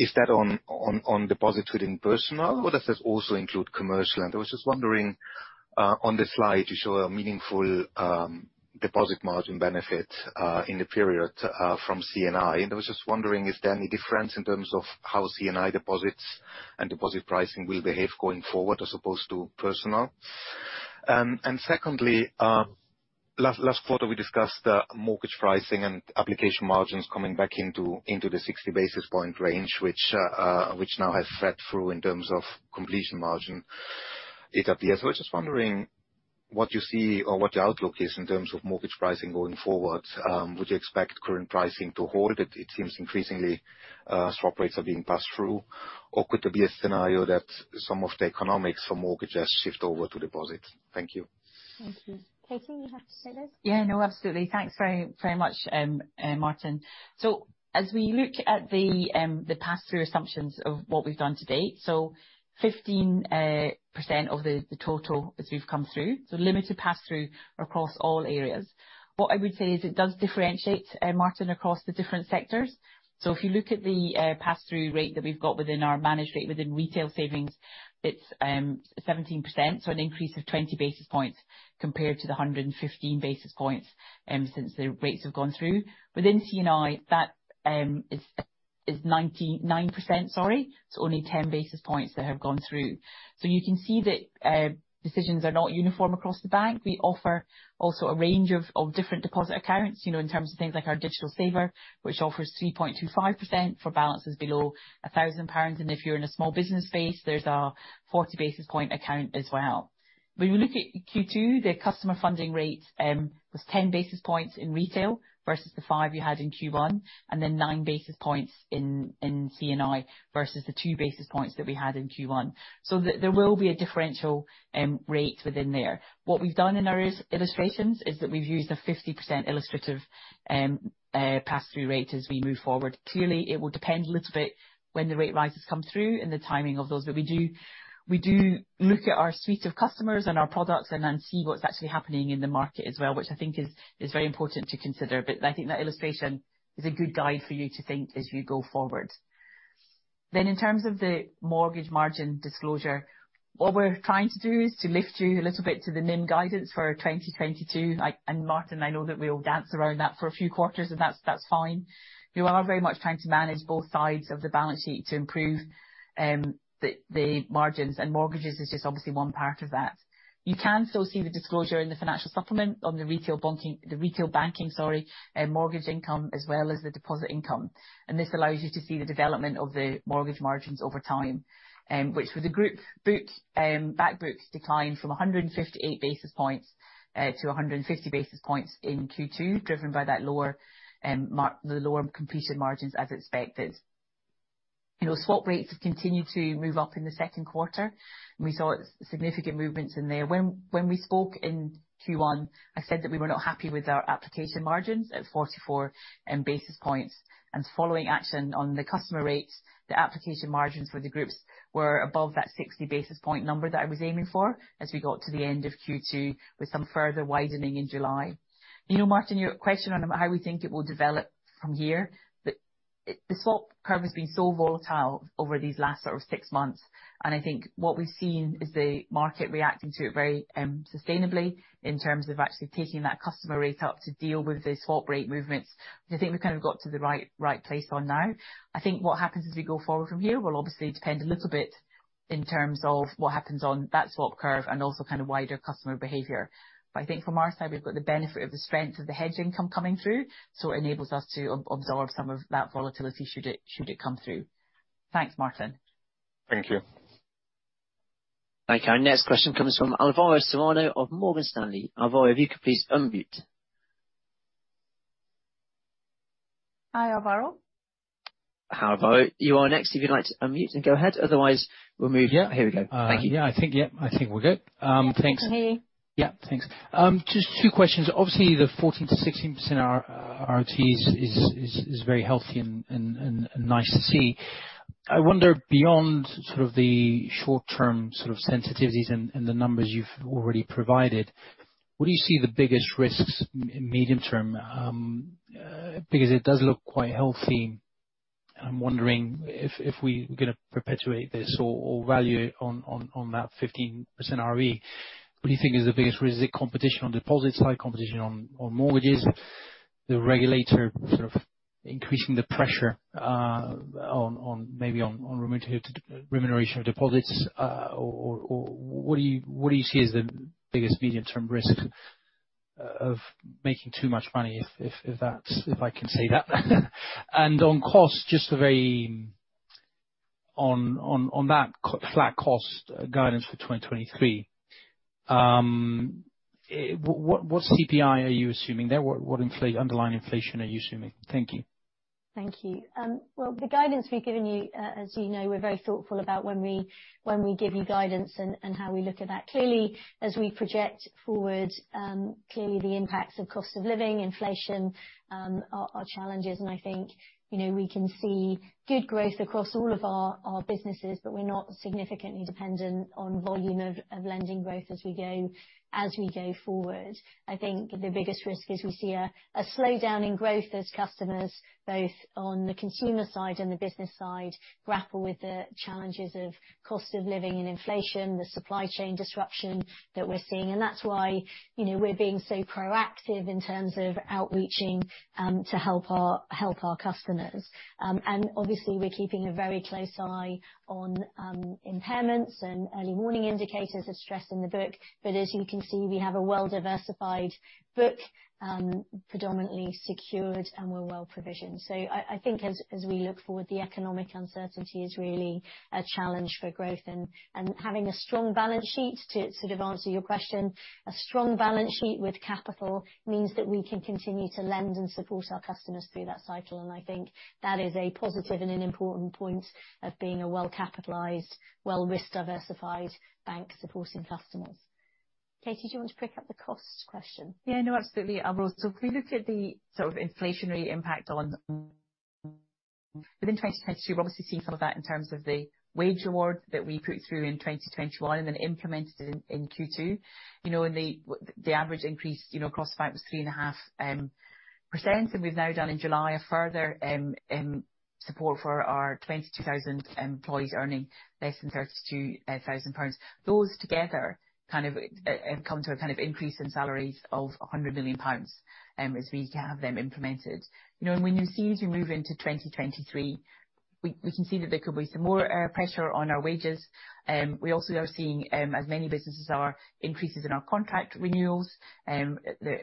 Is that on deposits within personal, or does this also include commercial? I was just wondering, on the slide, you show a meaningful deposit margin benefit in the period from C&I. I was just wondering if there any difference in terms of how C&I deposits and deposit pricing will behave going forward as opposed to personal. Secondly, last quarter, we discussed mortgage pricing and application margins coming back into the 60 basis point range, which now has fed through in terms of completion margin year-to-date. I was just wondering what you see or what the outlook is in terms of mortgage pricing going forward. Would you expect current pricing to hold? It seems increasingly, swap rates are being passed through. Could there be a scenario that some of the economics for mortgages shift over to deposits? Thank you. Thank you. Katie, you have to say this. Yeah, no, absolutely. Thanks very, very much, Martin. As we look at the pass-through assumptions of what we've done to date, 15% of the total as we've come through, so limited pass-through across all areas. What I would say is it does differentiate, Martin, across the different sectors. If you look at the pass-through rate that we've got within our managed rate within retail savings, it's 17%, so an increase of 20 basis points compared to the 115 basis points since the rates have gone through. Within C&I, that is 99%, sorry. Only 10 basis points that have gone through. You can see that decisions are not uniform across the bank. We offer also a range of different deposit accounts, you know, in terms of things like our Digital Saver, which offers 3.25% for balances below 1,000 pounds. If you're in a small business base, there's our 40 basis point account as well. When you look at Q2, the customer funding rate was 10 basis points in retail versus the five you had in Q1, and then nine basis points in C&I versus the two basis points that we had in Q1. There will be a differential rate within there. What we've done in our illustrations is that we've used a 50% illustrative pass-through rate as we move forward. Clearly, it will depend a little bit when the rate rises come through and the timing of those. We do look at our suite of customers and our products and see what's actually happening in the market as well, which I think is very important to consider. I think that illustration is a good guide for you to think as you go forward. In terms of the mortgage margin disclosure, what we're trying to do is to lift you a little bit to the NIM guidance for 2022. Like, Martin, I know that we all dance around that for a few quarters, and that's fine. You are very much trying to manage both sides of the balance sheet to improve the margins, and mortgages is just obviously one part of that. You can also see the disclosure in the financial supplement on the retail banking, sorry, mortgage income as well as the deposit income. This allows you to see the development of the mortgage margins over time, which for the group books, back books declined from 158 basis points to 150 basis points in Q2, driven by that lower, the lower completed margins as expected. You know, swap rates have continued to move up in the Q2, and we saw significant movements in there. When we spoke in Q1, I said that we were not happy with our application margins at 44 basis points. Following action on the customer rates, the application margins for the groups were above that 60 basis point number that I was aiming for as we got to the end of Q2, with some further widening in July. You know, Martin, your question on how we think it will develop from here, the swap curve has been so volatile over these last sort of six months, and I think what we've seen is the market reacting to it very, sustainably in terms of actually taking that customer rate up to deal with the swap rate movements. I think we've kind of got to the right place on now. I think what happens as we go forward from here will obviously depend a little bit in terms of what happens on that swap curve and also kind of wider customer behavior. I think from our side, we've got the benefit of the strength of the hedge income coming through, so it enables us to absorb some of that volatility should it come through. Thanks, Martin. Thank you. Thank you. Our next question comes from Alvaro Serrano of Morgan Stanley. Alvaro, if you could please unmute. Hi, Alvaro. Alvaro, you are next. If you'd like to unmute and go ahead. Otherwise, we'll move. Yeah. Here we go. Thank you. Yeah, I think we're good. Thanks. Can hear you. Yeah. Thanks. Just two questions. Obviously, the 14%-16% ROTE is very healthy and nice to see. I wonder, beyond sort of the short-term sort of sensitivities and the numbers you've already provided, what do you see as the biggest risks in medium term? Because it does look quite healthy. I'm wondering if we are gonna perpetuate this or value on that 15% ROE, what do you think is the biggest risk? Is it competition on deposit side, competition on mortgages, the regulator sort of increasing the pressure on maybe on remuneration of deposits? Or what do you see as the biggest medium-term risk of making too much money, if that's. If I can say that? And on cost, just a very. On that flat cost guidance for 2023, what CPI are you assuming there? What underlying inflation are you assuming? Thank you. Thank you. Well, the guidance we've given you, as you know, we're very thoughtful about when we give you guidance and how we look at that. Clearly, as we project forward, clearly the impacts of cost of living, inflation, are challenges. I think, you know, we can see good growth across all of our businesses, but we're not significantly dependent on volume of lending growth as we go forward. I think the biggest risk is we see a slowdown in growth as customers, both on the consumer side and the business side, grapple with the challenges of cost of living and inflation, the supply chain disruption that we're seeing. That's why, you know, we're being so proactive in terms of outreaching to help our customers. Obviously we're keeping a very close eye on impairments and early warning indicators of stress in the book. But as you can see, we have a well-diversified book, predominantly secured, and we're well provisioned. I think as we look forward, the economic uncertainty is really a challenge for growth and having a strong balance sheet to sort of answer your question, a strong balance sheet with capital means that we can continue to lend and support our customers through that cycle, and I think that is a positive and an important point of being a well-capitalized, well-risk diversified bank supporting customers. Katie, do you want to pick up the cost question? Yeah, no, absolutely, Alvaro. If we look at the sort of inflationary impact in 2023, we're obviously seeing some of that in terms of the wage award that we put through in 2021 and then implemented in Q2. You know, the average increase, you know, across five was 3.5%, and we've now done in July a further support for our 22,000 employees earning less than 32,000 pounds. Those together kind of come to a kind of increase in salaries of 100 million pounds, as we have them implemented. You know, when you see as you move into 2023, we can see that there could be some more pressure on our wages. We also are seeing, as many businesses are, increases in our contract renewals, the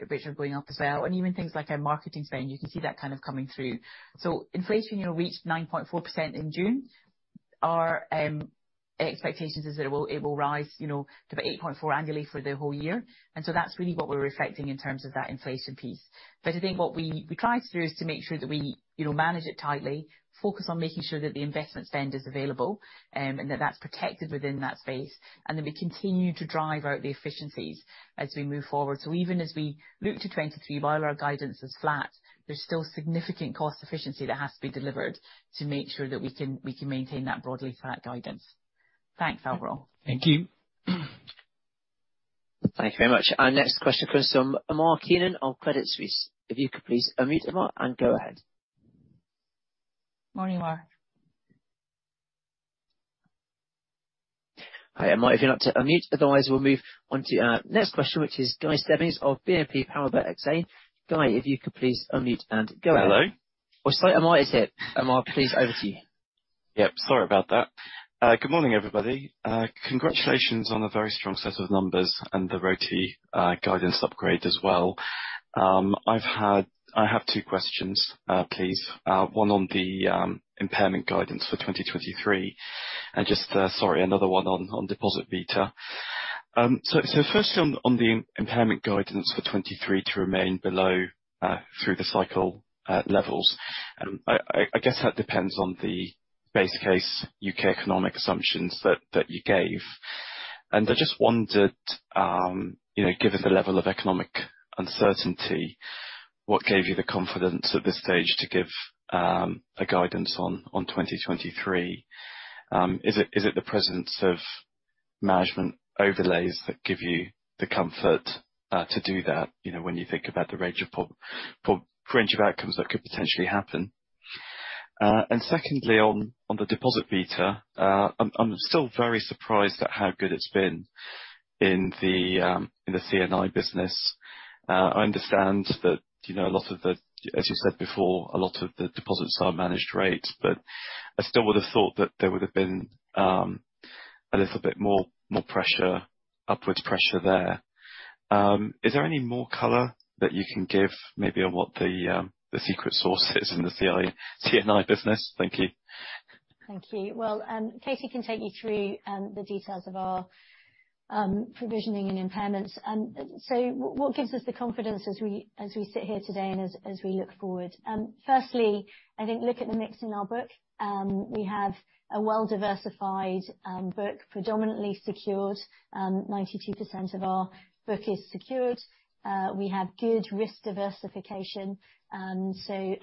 rates are going up as well. Even things like our marketing spend, you can see that kind of coming through. Inflation, you know, reached 9.4% in June. Our expectations is that it will rise, you know, to about 8.4% annually for the whole year. That's really what we're reflecting in terms of that inflation piece. I think what we try to do is to make sure that we, you know, manage it tightly, focus on making sure that the investment spend is available, and that that's protected within that space, and then we continue to drive out the efficiencies as we move forward. Even as we look to 2023, while our guidance is flat, there's still significant cost efficiency that has to be delivered to make sure that we can maintain that broadly flat guidance. Thanks, Alvaro. Thank you. Thank you very much. Our next question comes from Omar Keenan of Credit Suisse. If you could please unmute, Omar and go ahead. Morning, Omar. Hi. Omar, if you're not unmuted. Otherwise, we'll move on to our next question, which is Guy Stebbings of BNP Paribas Exane. Guy, if you could please unmute and go ahead. Hello. Oh, sorry, Omar is here. Omar, please, over to you. Yep. Sorry about that. Good morning, everybody. Congratulations on a very strong set of numbers and the ROTE guidance upgrade as well. I have two questions, please. One on the impairment guidance for 2023 and just sorry, another one on deposit beta. So firstly on the impairment guidance for 2023 to remain below through the cycle levels. I guess that depends on the base case UK economic assumptions that you gave. I just wondered, you know, given the level of economic uncertainty, what gave you the confidence at this stage to give a guidance on 2023? Is it the presence of management overlays that give you the comfort to do that, you know, when you think about the range of outcomes that could potentially happen? Secondly, on the deposit beta, I'm still very surprised at how good it's been in the C&I business. I understand that, you know, a lot of the deposits are managed rates, as you said before, but I still would have thought that there would have been a little bit more pressure, upward pressure there. Is there any more color that you can give maybe on what the secret sauce is in the C&I business? Thank you. Thank you. Well, Katie can take you through the details of our provisioning and impairments. What gives us the confidence as we sit here today and as we look forward. Firstly, I think look at the mix in our book. We have a well-diversified book, predominantly secured. 92% of our book is secured. We have good risk diversification. We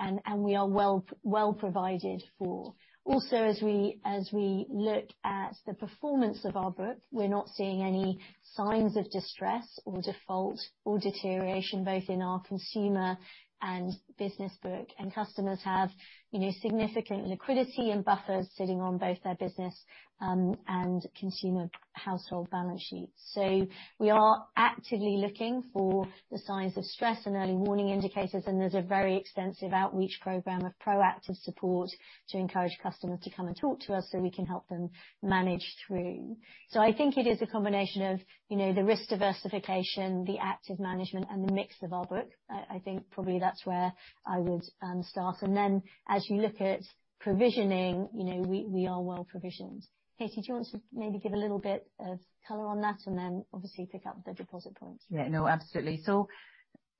are well provided for. Also as we look at the performance of our book, we're not seeing any signs of distress or default or deterioration, both in our consumer and business book. Customers have, you know, significant liquidity and buffers sitting on both their business and consumer household balance sheets. We are actively looking for the signs of stress and early warning indicators, and there's a very extensive outreach program of proactive support to encourage customers to come and talk to us so we can help them manage through. I think it is a combination of, you know, the risk diversification, the active management, and the mix of our book. I think probably that's where I would start. As you look at provisioning, you know, we are well provisioned. Katie, do you want to maybe give a little bit of color on that and then obviously pick up the deposit points? Yeah. No, absolutely.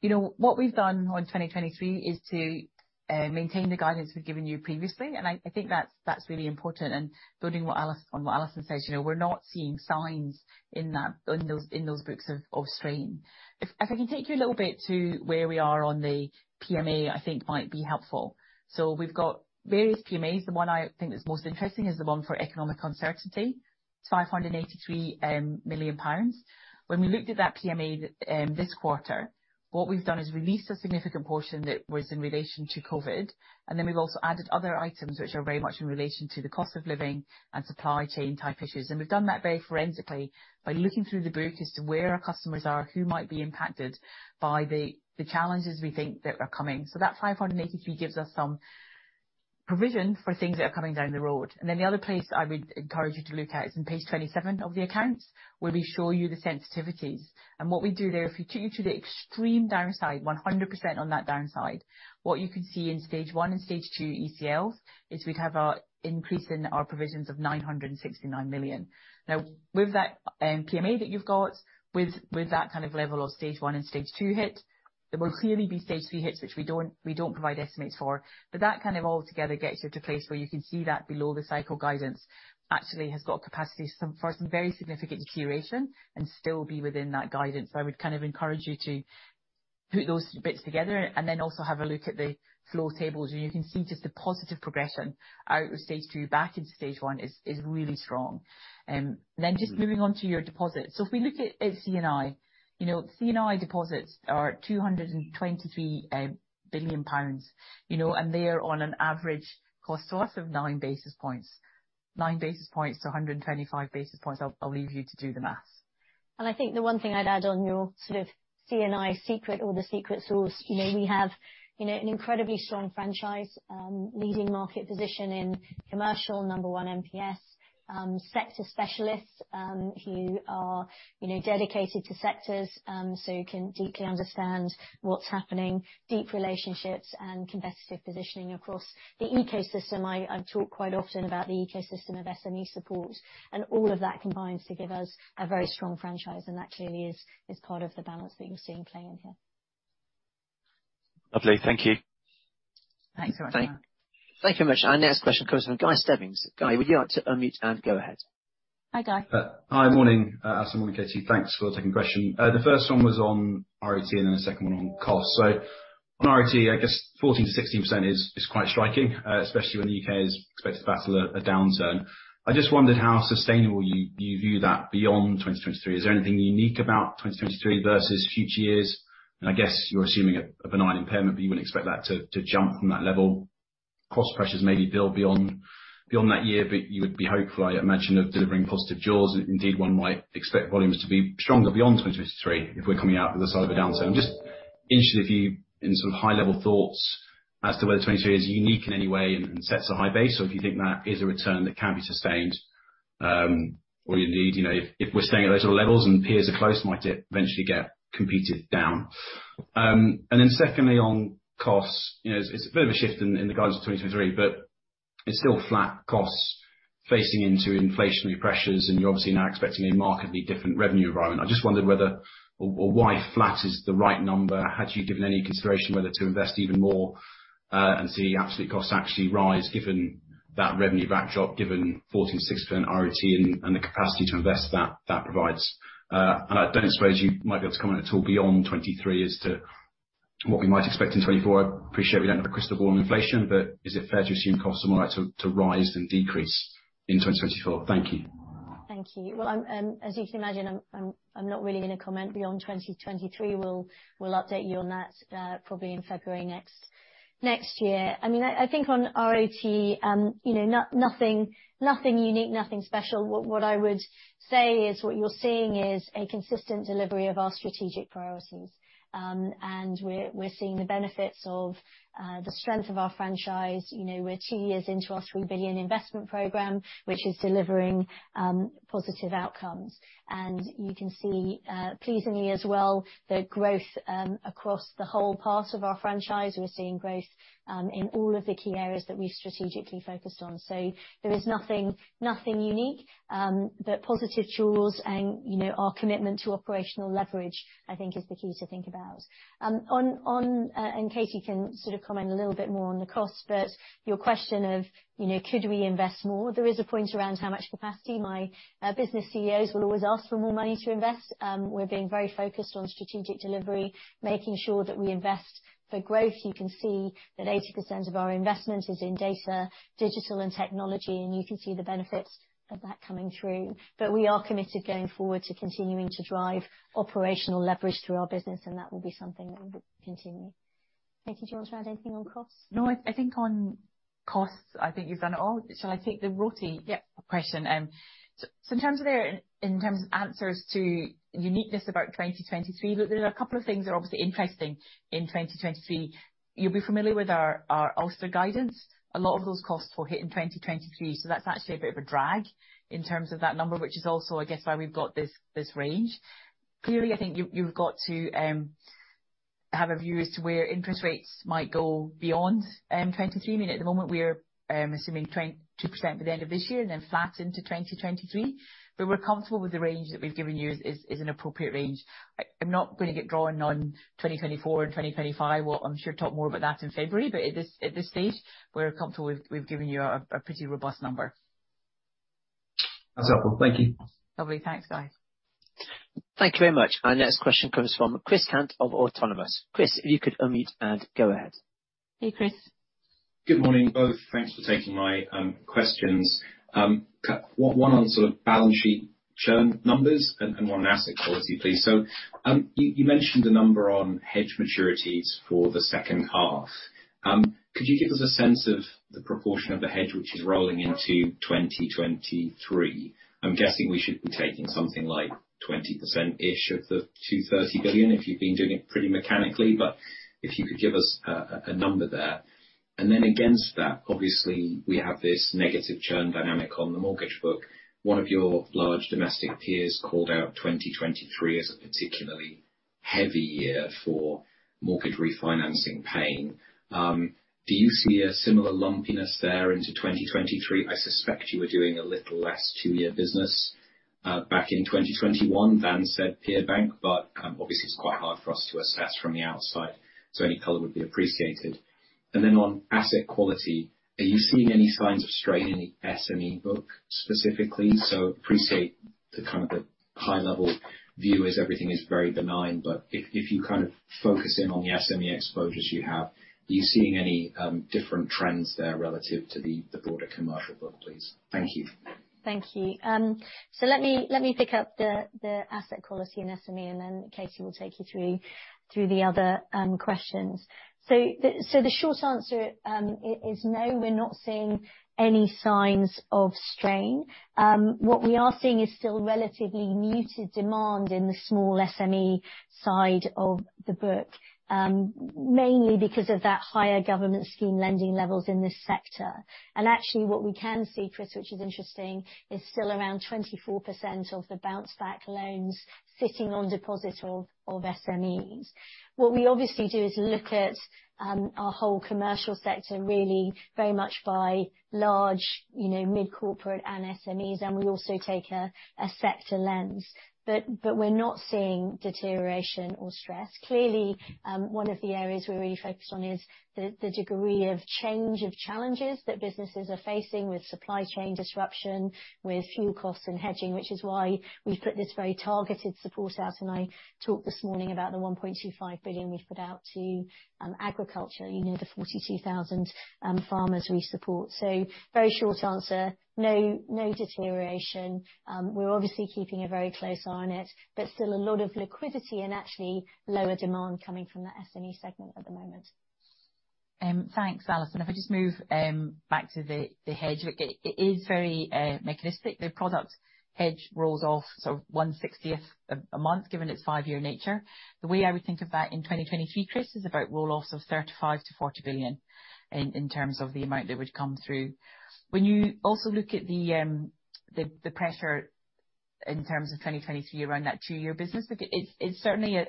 You know, what we've done on 2023 is to maintain the guidance we've given you previously. I think that's really important. Building on what Alison says, you know, we're not seeing signs in that, in those books of strain. I can take you a little bit to where we are on the PMA. I think might be helpful. We've got various PMAs. The one I think that's most interesting is the one for economic uncertainty. It's 583 million pounds. When we looked at that PMA this quarter, what we've done is released a significant portion that was in relation to COVID, and then we've also added other items which are very much in relation to the cost of living and supply chain type issues. We've done that very forensically by looking through the book as to where our customers are, who might be impacted by the challenges we think that are coming. That 583 gives us some provision for things that are coming down the road. The other place that I would encourage you to look at is in page 27 of the accounts, where we show you the sensitivities. What we do there, if we take you to the extreme downside, 100% on that downside, what you can see in Stage 1 and Stage 2 ECLs is we'd have our increase in our provisions of 969 million. Now, with that PMA that you've got, with that kind of level of stage one and stage two hits, there will clearly be stage three hits, which we don't provide estimates for. That kind of all together gets you to a place where you can see that below the cycle guidance actually has got capacity for some very significant deterioration and still be within that guidance. I would kind of encourage you to put those bits together and then also have a look at the flow tables where you can see just the positive progression out of stage two back into stage one is really strong. Just moving on to your deposits. If we look at C&I, you know, C&I deposits are 223 billion pounds, you know, and they are on an average cost to us of 9 basis points. 9 basis points to 125 basis points. I'll leave you to do the math. I think the one thing I'd add on your sort of C&I secret or the secret sauce, you know, we have, you know, an incredibly strong franchise, leading market position in commercial, number one NPS, sector specialists, who are, you know, dedicated to sectors, so who can deeply understand what's happening, deep relationships and competitive positioning across the ecosystem. I talk quite often about the ecosystem of SME support. All of that combines to give us a very strong franchise, and that clearly is part of the balance that you're seeing play in here. Lovely. Thank you. Thanks very much. Thank you. Thank you very much. Our next question comes from Guy Stebbings. Guy, would you like to unmute and go ahead. Hi, Guy. Hi. Morning, Alison and Katie. Thanks for taking the question. The first one was on ROTE and then the second one on cost. On ROTE, I guess 14%-16% is quite striking, especially when the UK is expected to battle a downturn. I just wondered how sustainable you view that beyond 2023. Is there anything unique about 2023 versus future years? I guess you're assuming a benign impairment, but you wouldn't expect that to jump from that level. Cost pressures maybe build beyond that year, but you would be hopeful, I imagine, of delivering positive jaws. Indeed, one might expect volumes to be stronger beyond 2023 if we're coming out the other side of the downturn. Just interested if you in some high level thoughts as to whether 2023 is unique in any way and sets a high base, or if you think that is a return that can be sustained, or indeed, you know, if we're staying at those sort of levels and peers are close, might it eventually get competed down? And then secondly, on costs, you know, it's a bit of a shift in the guidance of 2023, but... It's still flat costs facing into inflationary pressures, and you're obviously now expecting a markedly different revenue environment. I just wondered whether or why flat is the right number. Had you given any consideration whether to invest even more, and see absolute costs actually rise given that revenue backdrop, given 46% ROTE and the capacity to invest that provides. I don't suppose you might be able to comment at all beyond 2023 as to what we might expect in 2024. I appreciate we don't have a crystal ball on inflation, but is it fair to assume costs are more likely to rise than decrease in 2024? Thank you. Thank you. Well, as you can imagine, I'm not really gonna comment beyond 2023. We'll update you on that, probably in February next year. I mean, I think on ROTE, you know, nothing unique, nothing special. What I would say is what you're seeing is a consistent delivery of our strategic priorities. We're seeing the benefits of the strength of our franchise. You know, we're two years into our 3 billion investment program, which is delivering positive outcomes. You can see, pleasingly as well, the growth across the whole part of our franchise. We're seeing growth in all of the key areas that we've strategically focused on. There is nothing unique, but positive tools and, you know, our commitment to operational leverage, I think is the key to think about. Katie can sort of comment a little bit more on the cost, but your question of, you know, could we invest more? There is a point around how much capacity. My business CEOs will always ask for more money to invest. We're being very focused on strategic delivery, making sure that we invest for growth. You can see that 80% of our investment is in data, digital and technology, and you can see the benefits of that coming through. But we are committed going forward to continuing to drive operational leverage through our business, and that will be something that we'll continue. Katie, do you want to add anything on costs? No. I think on costs, I think you've done it all. Shall I take the ROTE? Yeah In terms of the answers to uniqueness about 2023, look, there's a couple of things that are obviously interesting in 2023. You'll be familiar with our Ulster guidance. A lot of those costs will hit in 2023, that's actually a bit of a drag in terms of that number, which is also, I guess, why we've got this range. Clearly, I think you've got to have a view as to where interest rates might go beyond 2023. I mean, at the moment we're assuming 2% by the end of this year and then flatten to 2023. We're comfortable with the range that we've given you is an appropriate range. I'm not gonna get drawn on 2024 and 2025. Well, I'm sure we'll talk more about that in February, but at this stage, we're comfortable we've given you a pretty robust number. That's helpful. Thank you. Lovely. Thanks, Guy. Thank you very much. Our next question comes from Chris Cant of Autonomous. Chris, if you could unmute and go ahead. Hey, Chris. Good morning, both. Thanks for taking my questions. Two: one on sort of balance sheet churn numbers and one on asset quality, please. You mentioned a number on hedge maturities for the H2. Could you give us a sense of the proportion of the hedge which is rolling into 2023? I'm guessing we should be taking something like 20%-ish of the 230 billion, if you've been doing it pretty mechanically, but if you could give us a number there. Against that, obviously we have this negative churn dynamic on the mortgage book. One of your large domestic peers called out 2023 as a particularly heavy year for mortgage refinancing prepayments. Do you see a similar lumpiness there into 2023? I suspect you were doing a little less two-year business back in 2021 than said peer bank, but obviously it's quite hard for us to assess from the outside, so any color would be appreciated. Then on asset quality, are you seeing any signs of strain in the SME book specifically? Appreciate the kind of the high level view is everything is very benign, but if you kind of focus in on the SME exposures you have, are you seeing any different trends there relative to the broader commercial book, please? Thank you. Thank you. Let me pick up the asset quality in SME and then Katie will take you through the other questions. The short answer is no, we're not seeing any signs of strain. What we are seeing is still relatively muted demand in the small SME side of the book, mainly because of that higher government scheme lending levels in this sector. Actually what we can see, Chris, which is interesting, is still around 24% of the Bounce Back Loans sitting on deposit of SMEs. What we obviously do is look at our whole commercial sector really very much by large, you know, mid-corporate and SMEs, and we also take a sector lens. We're not seeing deterioration or stress. Clearly, one of the areas we're really focused on is the degree of change of challenges that businesses are facing with supply chain disruption, with fuel costs and hedging, which is why we've put this very targeted support out. I talked this morning about the 1.25 billion we've put out to agriculture, you know, the 42,000 farmers we support. Very short answer, no deterioration. We're obviously keeping a very close eye on it, but still a lot of liquidity and actually lower demand coming from the SME segment at the moment. Thanks, Alison. If I just move back to the hedge. It is very mechanistic. The product hedge rolls off sort of one-sixtieth a month, given its five-year nature. The way I would think of that in 2023, Chris, is about roll loss of 35 billion-40 billion in terms of the amount that would come through. When you also look at the pressure in terms of 2022 around that two-year business. But it's certainly a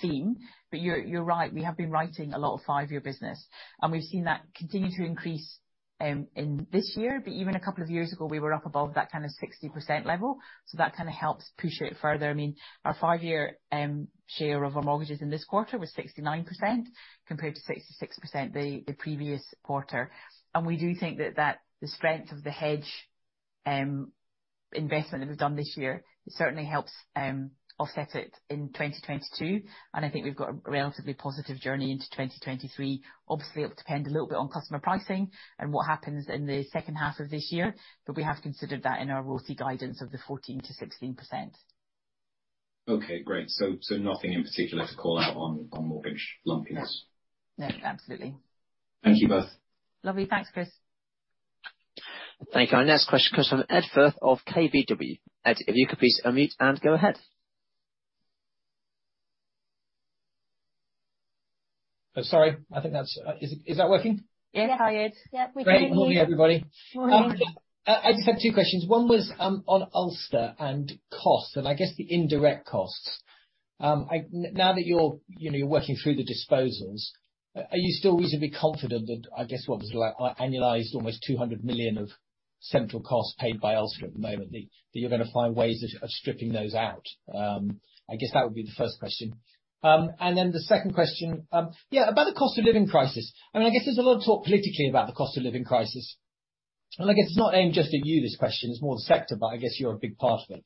theme. But you're right, we have been writing a lot of five-year business, and we've seen that continue to increase in this year. But even a couple of years ago, we were up above that kind of 60% level, so that kinda helps push it further. I mean, our five-year share of our mortgages in this quarter was 69% compared to 66% the previous quarter. We do think that the strength of the hedge investment that we've done this year, it certainly helps offset it in 2022. I think we've got a relatively positive journey into 2023. Obviously, it'll depend a little bit on customer pricing and what happens in the H2 of this year, but we have considered that in our ROTE guidance of 14%-16%. Okay, great. Nothing in particular to call out on mortgage lumpiness? No, absolutely. Thank you both. Lovely. Thanks, Chris. Thank you. Our next question comes from Ed Firth of KBW. Ed, if you could please unmute and go ahead. Oh, sorry. Is it working? Yes. Hi, Ed. Yep, we can hear you. Good morning, everybody. Morning. I just have two questions. One was on Ulster and costs, and I guess the indirect costs. Now that you're, you know, you're working through the disposals, are you still reasonably confident that, I guess, what was it like, annualized almost 200 million of central costs paid by Ulster at the moment, that you're gonna find ways of stripping those out? I guess that would be the first question. Then the second question. Yeah, about the cost of living crisis. I mean, I guess there's a lot of talk politically about the cost of living crisis. I guess it's not aimed just at you, this question, it's more the sector, but I guess you're a big part of it.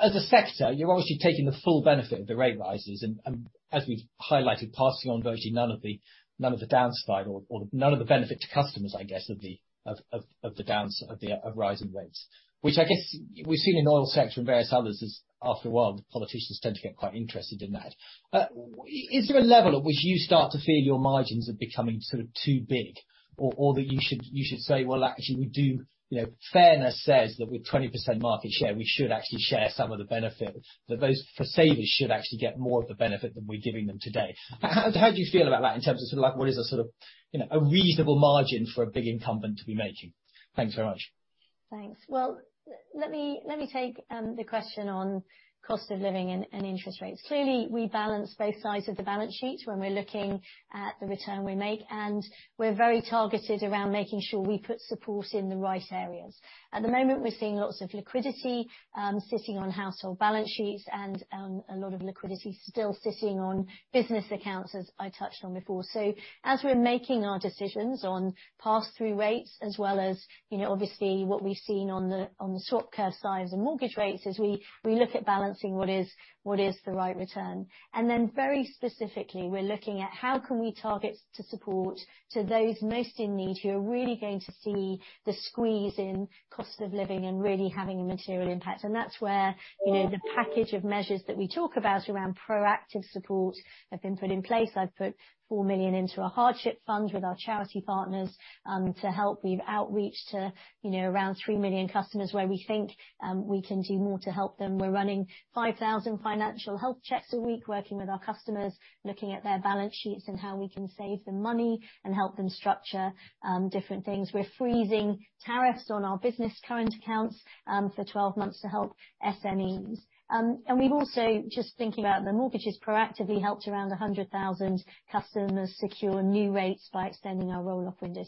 As a sector, you're obviously taking the full benefit of the rate rises, and as we've highlighted passing on virtually none of the downside or none of the benefit to customers, I guess, of the downside of rising rates. Which I guess we've seen in oil sector and various others, is after a while, the politicians tend to get quite interested in that. Is there a level at which you start to feel your margins are becoming sort of too big or that you should say, "Well, actually we do," you know, fairness says that with 20% market share, we should actually share some of the benefit. That those for savers should actually get more of the benefit than we're giving them today. How do you feel about that in terms of sort of like what is a sort of, you know, a reasonable margin for a big incumbent to be making? Thanks very much. Thanks. Well, let me take the question on cost of living and interest rates. Clearly, we balance both sides of the balance sheet when we're looking at the return we make, and we're very targeted around making sure we put support in the right areas. At the moment, we're seeing lots of liquidity sitting on household balance sheets and a lot of liquidity still sitting on business accounts, as I touched on before. As we're making our decisions on pass-through rates as well as, you know, obviously what we've seen on the short curve side of the mortgage rates, we look at balancing what is the right return. Then very specifically, we're looking at how can we target to support to those most in need, who are really going to see the squeeze in cost of living and really having a material impact. That's where, you know, the package of measures that we talk about around proactive support have been put in place. I've put 4 million into our hardship fund with our charity partners, to help with outreach to, you know, around 3 million customers where we think, we can do more to help them. We're running 5,000 financial health checks a week, working with our customers, looking at their balance sheets and how we can save them money and help them structure, different things. We're freezing tariffs on our business current accounts, for 12 months to help SMEs. We've also, just thinking about the mortgages, proactively helped around 100,000 customers secure new rates by extending our roll-off window.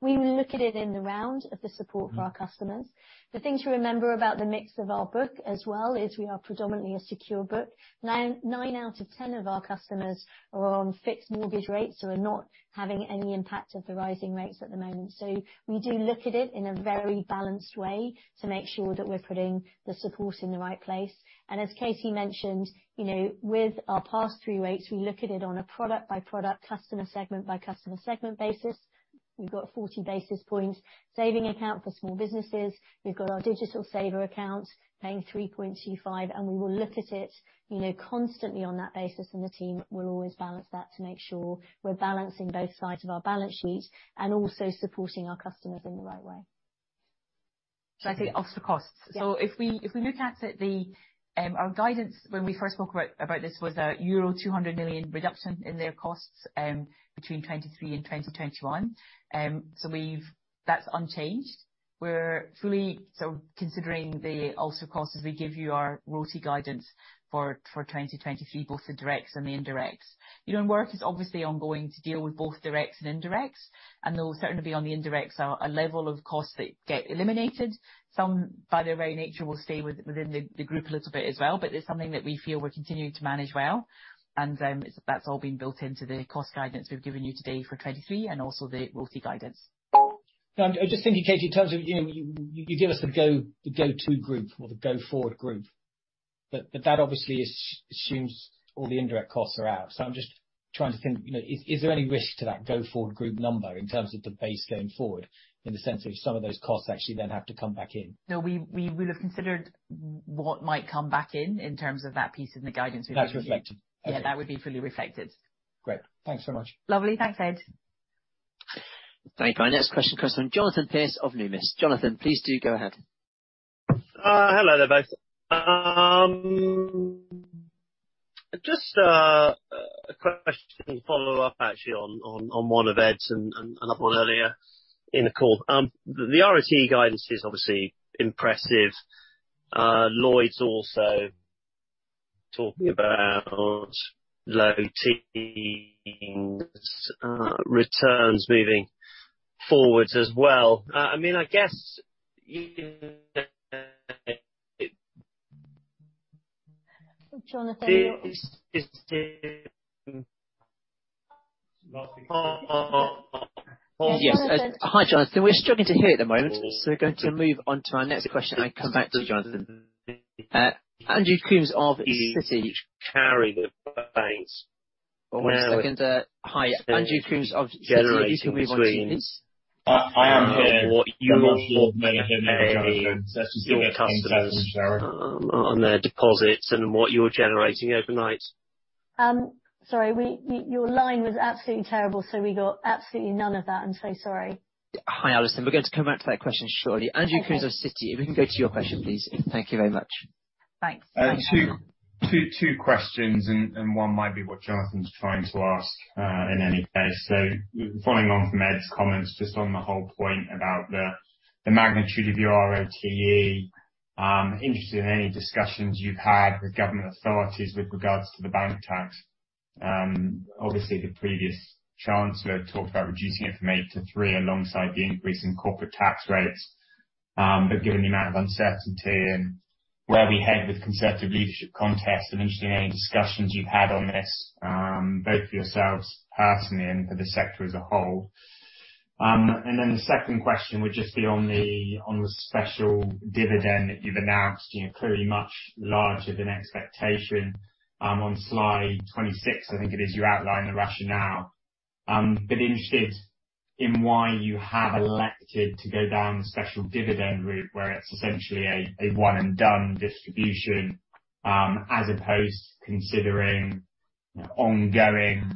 We look at it in the round of the support for our customers. The thing to remember about the mix of our book as well is we are predominantly a secure book. Nine out of 10 of our customers are on fixed mortgage rates, so are not having any impact of the rising rates at the moment. We do look at it in a very balanced way to make sure that we're putting the support in the right place. As Katie mentioned, you know, with our pass-through rates, we look at it on a product-by-product, customer segment-by-customer segment basis. We've got a 40 basis point saving account for small businesses. We've got our digital saver accounts paying 3.25%. We will look at it, you know, constantly on that basis, and the team will always balance that to make sure we're balancing both sides of our balance sheet and also supporting our customers in the right way. Should I take Ulster costs? Yeah. If we look at it, our guidance when we first spoke about this was a euro 200 million reduction in their costs between 2023 and 2021. That's unchanged. We're fully considering the Ulster costs as we give you our ROTE guidance for 2023, both the directs and the indirects. You know, work is obviously ongoing to deal with both directs and indirects, and there will certainly be on the indirects a level of costs that get eliminated. Some, by their very nature, will stay within the group a little bit as well, but it's something that we feel we're continuing to manage well. That's all been built into the cost guidance we've given you today for 2023 and also the ROTE guidance. Now, I'm just thinking, Katie, in terms of, you know, you gave us the go-to group or the go-forward group, but that obviously assumes all the indirect costs are out. So I'm just trying to think, you know, is there any risk to that go-forward group number in terms of the base going forward, in the sense of some of those costs actually then have to come back in? No, we will have considered what might come back in terms of that piece in the guidance we've given you. That's reflected. Okay. Yeah, that would be fully reflected. Great. Thanks so much. Lovely. Thanks, Ed. Thank you. Our next question comes from Jonathan Pierce of Numis. Jonathan, please do go ahead. Hello there, both. Just a question follow-up actually on one of Ed's and another one earlier in the call. The ROTE guidance is obviously impressive. Lloyds also talking about low returns moving forward as well. I mean, I guess, you know... Jonathan, you're... Is, is... Jonathan. Yes. Hi, Jonathan. We're struggling to hear you at the moment, so we're going to move on to our next question and come back to Jonathan. Andrew Coombs of Citi. One second. Hi, Andrew Coombs of Citi. If you can move on, please. I am here. Okay. I'm not sure if you may hear me with Jonathan. Let's just see if we can get this going. On their deposits and what you're generating overnight. Sorry. Your line was absolutely terrible, so we got absolutely none of that. I'm so sorry. Hi, Alison. We're going to come back to that question shortly. Okay. Andrew Coombs of Citi, if we can go to your question, please. Thank you very much. Thanks. Two questions and one might be what Jonathan's trying to ask, in any case. Following on from Ed's comments, just on the whole point about the magnitude of your ROTE. Interested in any discussions you've had with government authorities with regards to the bank tax. Obviously the previous chancellor talked about reducing it from eight to three alongside the increase in corporate tax rates. But given the amount of uncertainty and where we head with Conservative leadership contests, I'm interested in any discussions you've had on this, both for yourselves personally and for the sector as a whole. And then the second question would just be on the special dividend that you've announced. You know, clearly much larger than expectation. On Slide 26, I think it is, you outline the rationale. Interested in why you have elected to go down the special dividend route where it's essentially a one and done distribution, as opposed to considering, you know, ongoing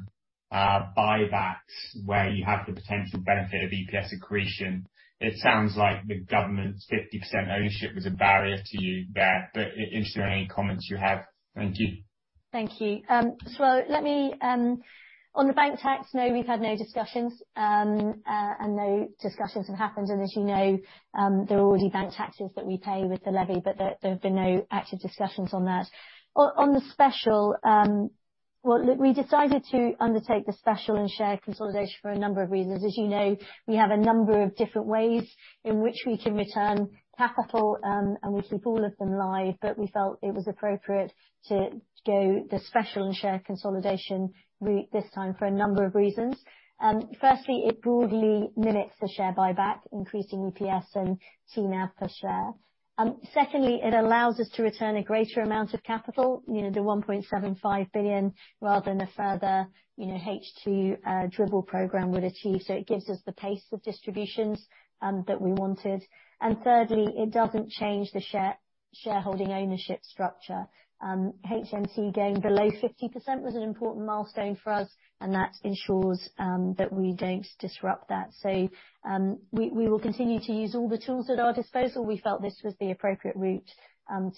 buybacks where you have the potential benefit of EPS accretion. It sounds like the government's 50% ownership was a barrier to you there, but interested in any comments you have. Thank you. Thank you. So let me. On the bank tax, no, we've had no discussions, and no discussions have happened. As you know, there are already bank taxes that we pay with the levy, but there have been no active discussions on that. On the special, well, look, we decided to undertake the special and share consolidation for a number of reasons. As you know, we have a number of different ways in which we can return capital, and we keep all of them live. We felt it was appropriate to go the special and share consolidation route this time for a number of reasons. Firstly, it broadly limits the share buyback, increasing EPS and TNAV per share. Secondly, it allows us to return a greater amount of capital, you know, the 1.75 billion, rather than a further, you know, H2 dribble program would achieve. It gives us the pace of distributions that we wanted. Thirdly, it doesn't change the shareholding ownership structure. HMT going below 50% was an important milestone for us, and that ensures that we don't disrupt that. We will continue to use all the tools at our disposal. We felt this was the appropriate route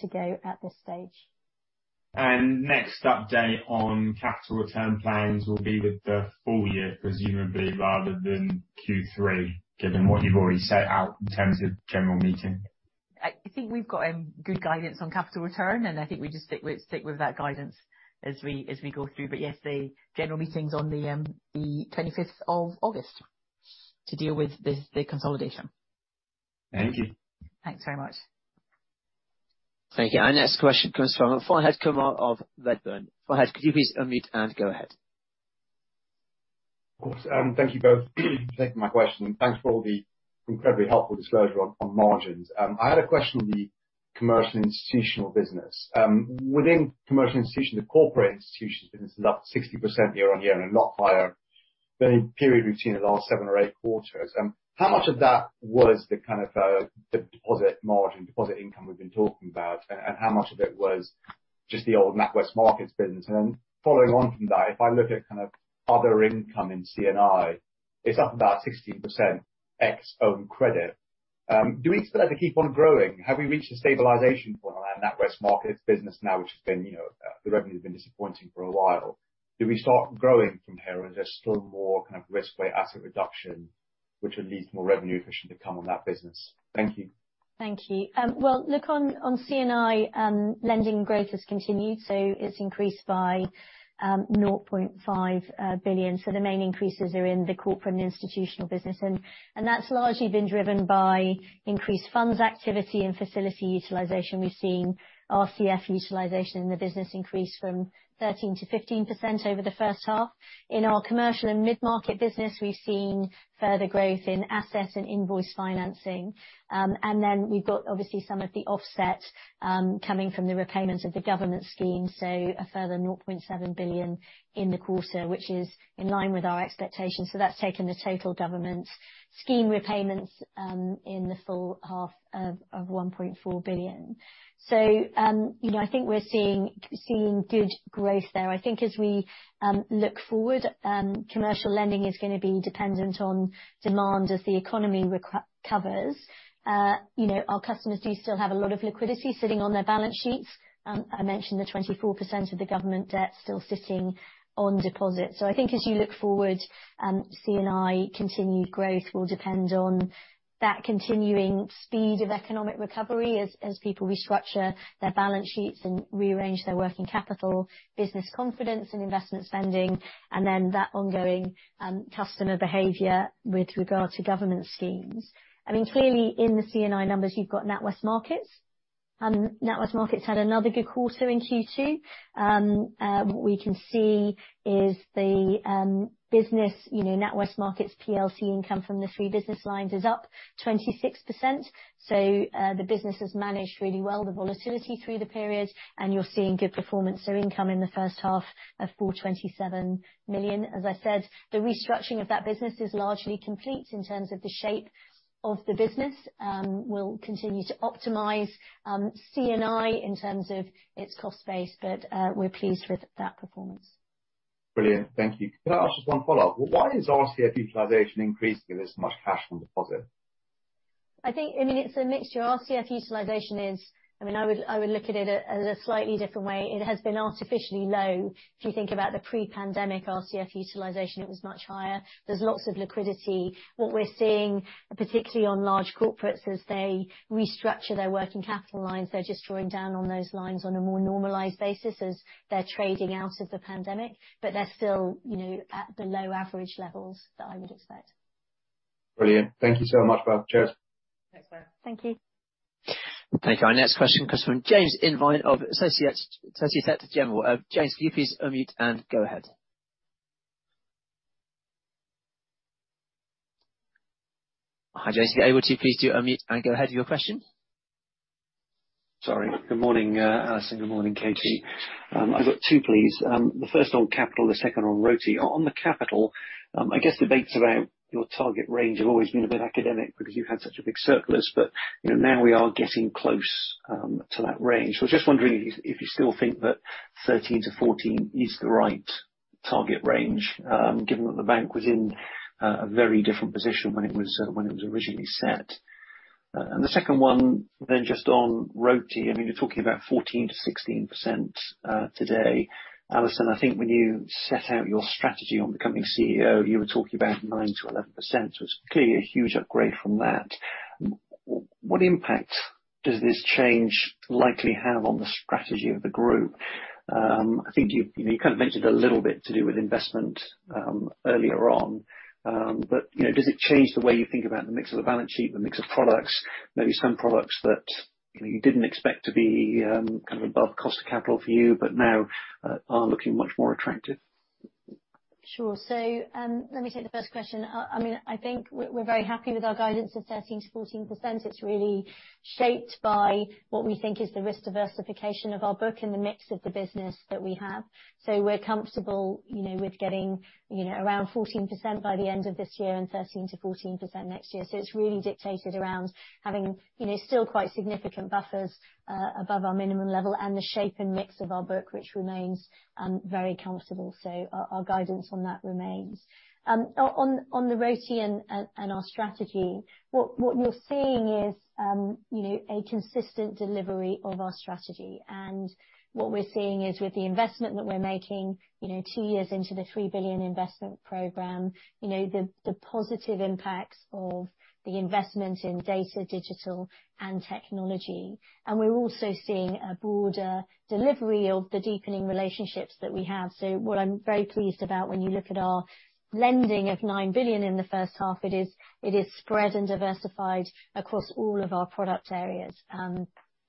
to go at this stage. Next update on capital return plans will be with the FY, presumably, rather than Q3, given what you've already set out in terms of general meeting. I think we've got good guidance on capital return, and I think we just stick with that guidance as we go through. Yes, the general meeting's on the 25th of August to deal with this, the consolidation. Thank you. Thanks very much. Thank you. Our next question comes from Fahed Kunwar of Redburn. Fahed, could you please unmute and go ahead? Of course. Thank you both for taking my question, and thanks for all the incredibly helpful disclosure on margins. I had a question on the commercial and institutional business. Within commercial and institutional, the corporate and institutions business is up 60% year-on-year and a lot higher than any period we've seen in the last seven or eight quarters. How much of that was the kind of the deposit margin, deposit income we've been talking about? And how much of it was just the old NatWest Markets business? Following on from that, if I look at kind of other income in C&I, it's up about 16% ex own credit. Do we expect that to keep on growing? Have we reached a stabilization point on our NatWest Markets business now, which has been, you know, the revenue's been disappointing for a while. Do we start growing from here? Is there still more kind of risk-weighted asset reduction, which would lead to more revenue efficiency to come on that business? Thank you. Thank you. Well, look, on C&I, lending growth has continued, so it's increased by 0.5 billion. The main increases are in the corporate and institutional business, and that's largely been driven by increased funds activity and facility utilization. We've seen RCF utilization in the business increase from 13%-15% over the H1. In our commercial and mid-market business, we've seen further growth in assets and invoice financing. We've got obviously some of the offsets coming from the repayments of the government scheme. A further 0.7 billion in the quarter, which is in line with our expectations. That's taken the total government scheme repayments in the full half of 1.4 billion. You know, I think we're seeing good growth there. I think as we look forward, commercial lending is gonna be dependent on demand as the economy recovers. You know, our customers do still have a lot of liquidity sitting on their balance sheets. I mentioned the 24% of the government debt still sitting on deposit. I think as you look forward, C&I continued growth will depend on that continuing speed of economic recovery as people restructure their balance sheets and rearrange their working capital, business confidence and investment spending, and then that ongoing customer behavior with regard to government schemes. I mean, clearly in the C&I numbers, you've got NatWest Markets. NatWest Markets had another good quarter in Q2. What we can see is the business, you know, NatWest Markets PLC income from the three business lines is up 26%. The business has managed really well the volatility through the period, and you're seeing good performance. Income in the H1 of 427 million. As I said, the restructuring of that business is largely complete in terms of the shape of the business. We'll continue to optimize C&I in terms of its cost base, but we're pleased with that performance. Brilliant. Thank you. Can I ask just one follow-up? Why is RCF utilization increasing with this much cash on deposit? I think, I mean, it's a mixture. RCF utilization is, I mean, I would look at it as a slightly different way. It has been artificially low. If you think about the pre-pandemic RCF utilization, it was much higher. There's lots of liquidity. What we're seeing, particularly on large corporates as they restructure their working capital lines, they're just drawing down on those lines on a more normalized basis as they're trading out of the pandemic. They're still, you know, at below average levels that I would expect. Brilliant. Thank you so much. Well, cheers. Thanks, Fahed. Thank you. Thank you. Our next question comes from James Invine of Société Générale. James, can you please unmute and go ahead. Hi, James. Are you able to please do unmute and go ahead with your question? Sorry. Good morning, Alison. Good morning, Katie. I've got two, please. The first on capital, the second on ROTE. On the capital, I guess debates about your target range have always been a bit academic because you've had such a big surplus, but, you know, now we are getting close to that range. I was just wondering if you still think that 13-14 is the right target range, given that the bank was in a very different position when it was originally set. The second one then just on ROTE. I mean, you're talking about 14%-16% today. Alison, I think when you set out your strategy on becoming CEO, you were talking about 9%-11%. It's clearly a huge upgrade from that. What impact does this change likely have on the strategy of the group? I think you kind of mentioned a little bit to do with investment earlier on. You know, does it change the way you think about the mix of the balance sheet, the mix of products? Maybe some products that, you know, you didn't expect to be kind of above cost of capital for you, but now are looking much more attractive. Sure. Let me take the first question. I mean, I think we're very happy with our guidance of 13%-14%. It's really shaped by what we think is the risk diversification of our book and the mix of the business that we have. We're comfortable, you know, with getting, you know, around 14% by the end of this year and 13%-14% next year. It's really dictated around having, you know, still quite significant buffers above our minimum level and the shape and mix of our book, which remains very comfortable. Our guidance on that remains. On the ROTE and our strategy, what we're seeing is, you know, a consistent delivery of our strategy. What we're seeing is with the investment that we're making, you know, two years into the 3 billion investment program, you know, the positive impacts of the investment in data, digital, and technology. We're also seeing a broader delivery of the deepening relationships that we have. What I'm very pleased about when you look at our lending of 9 billion in the H1, it is spread and diversified across all of our product areas.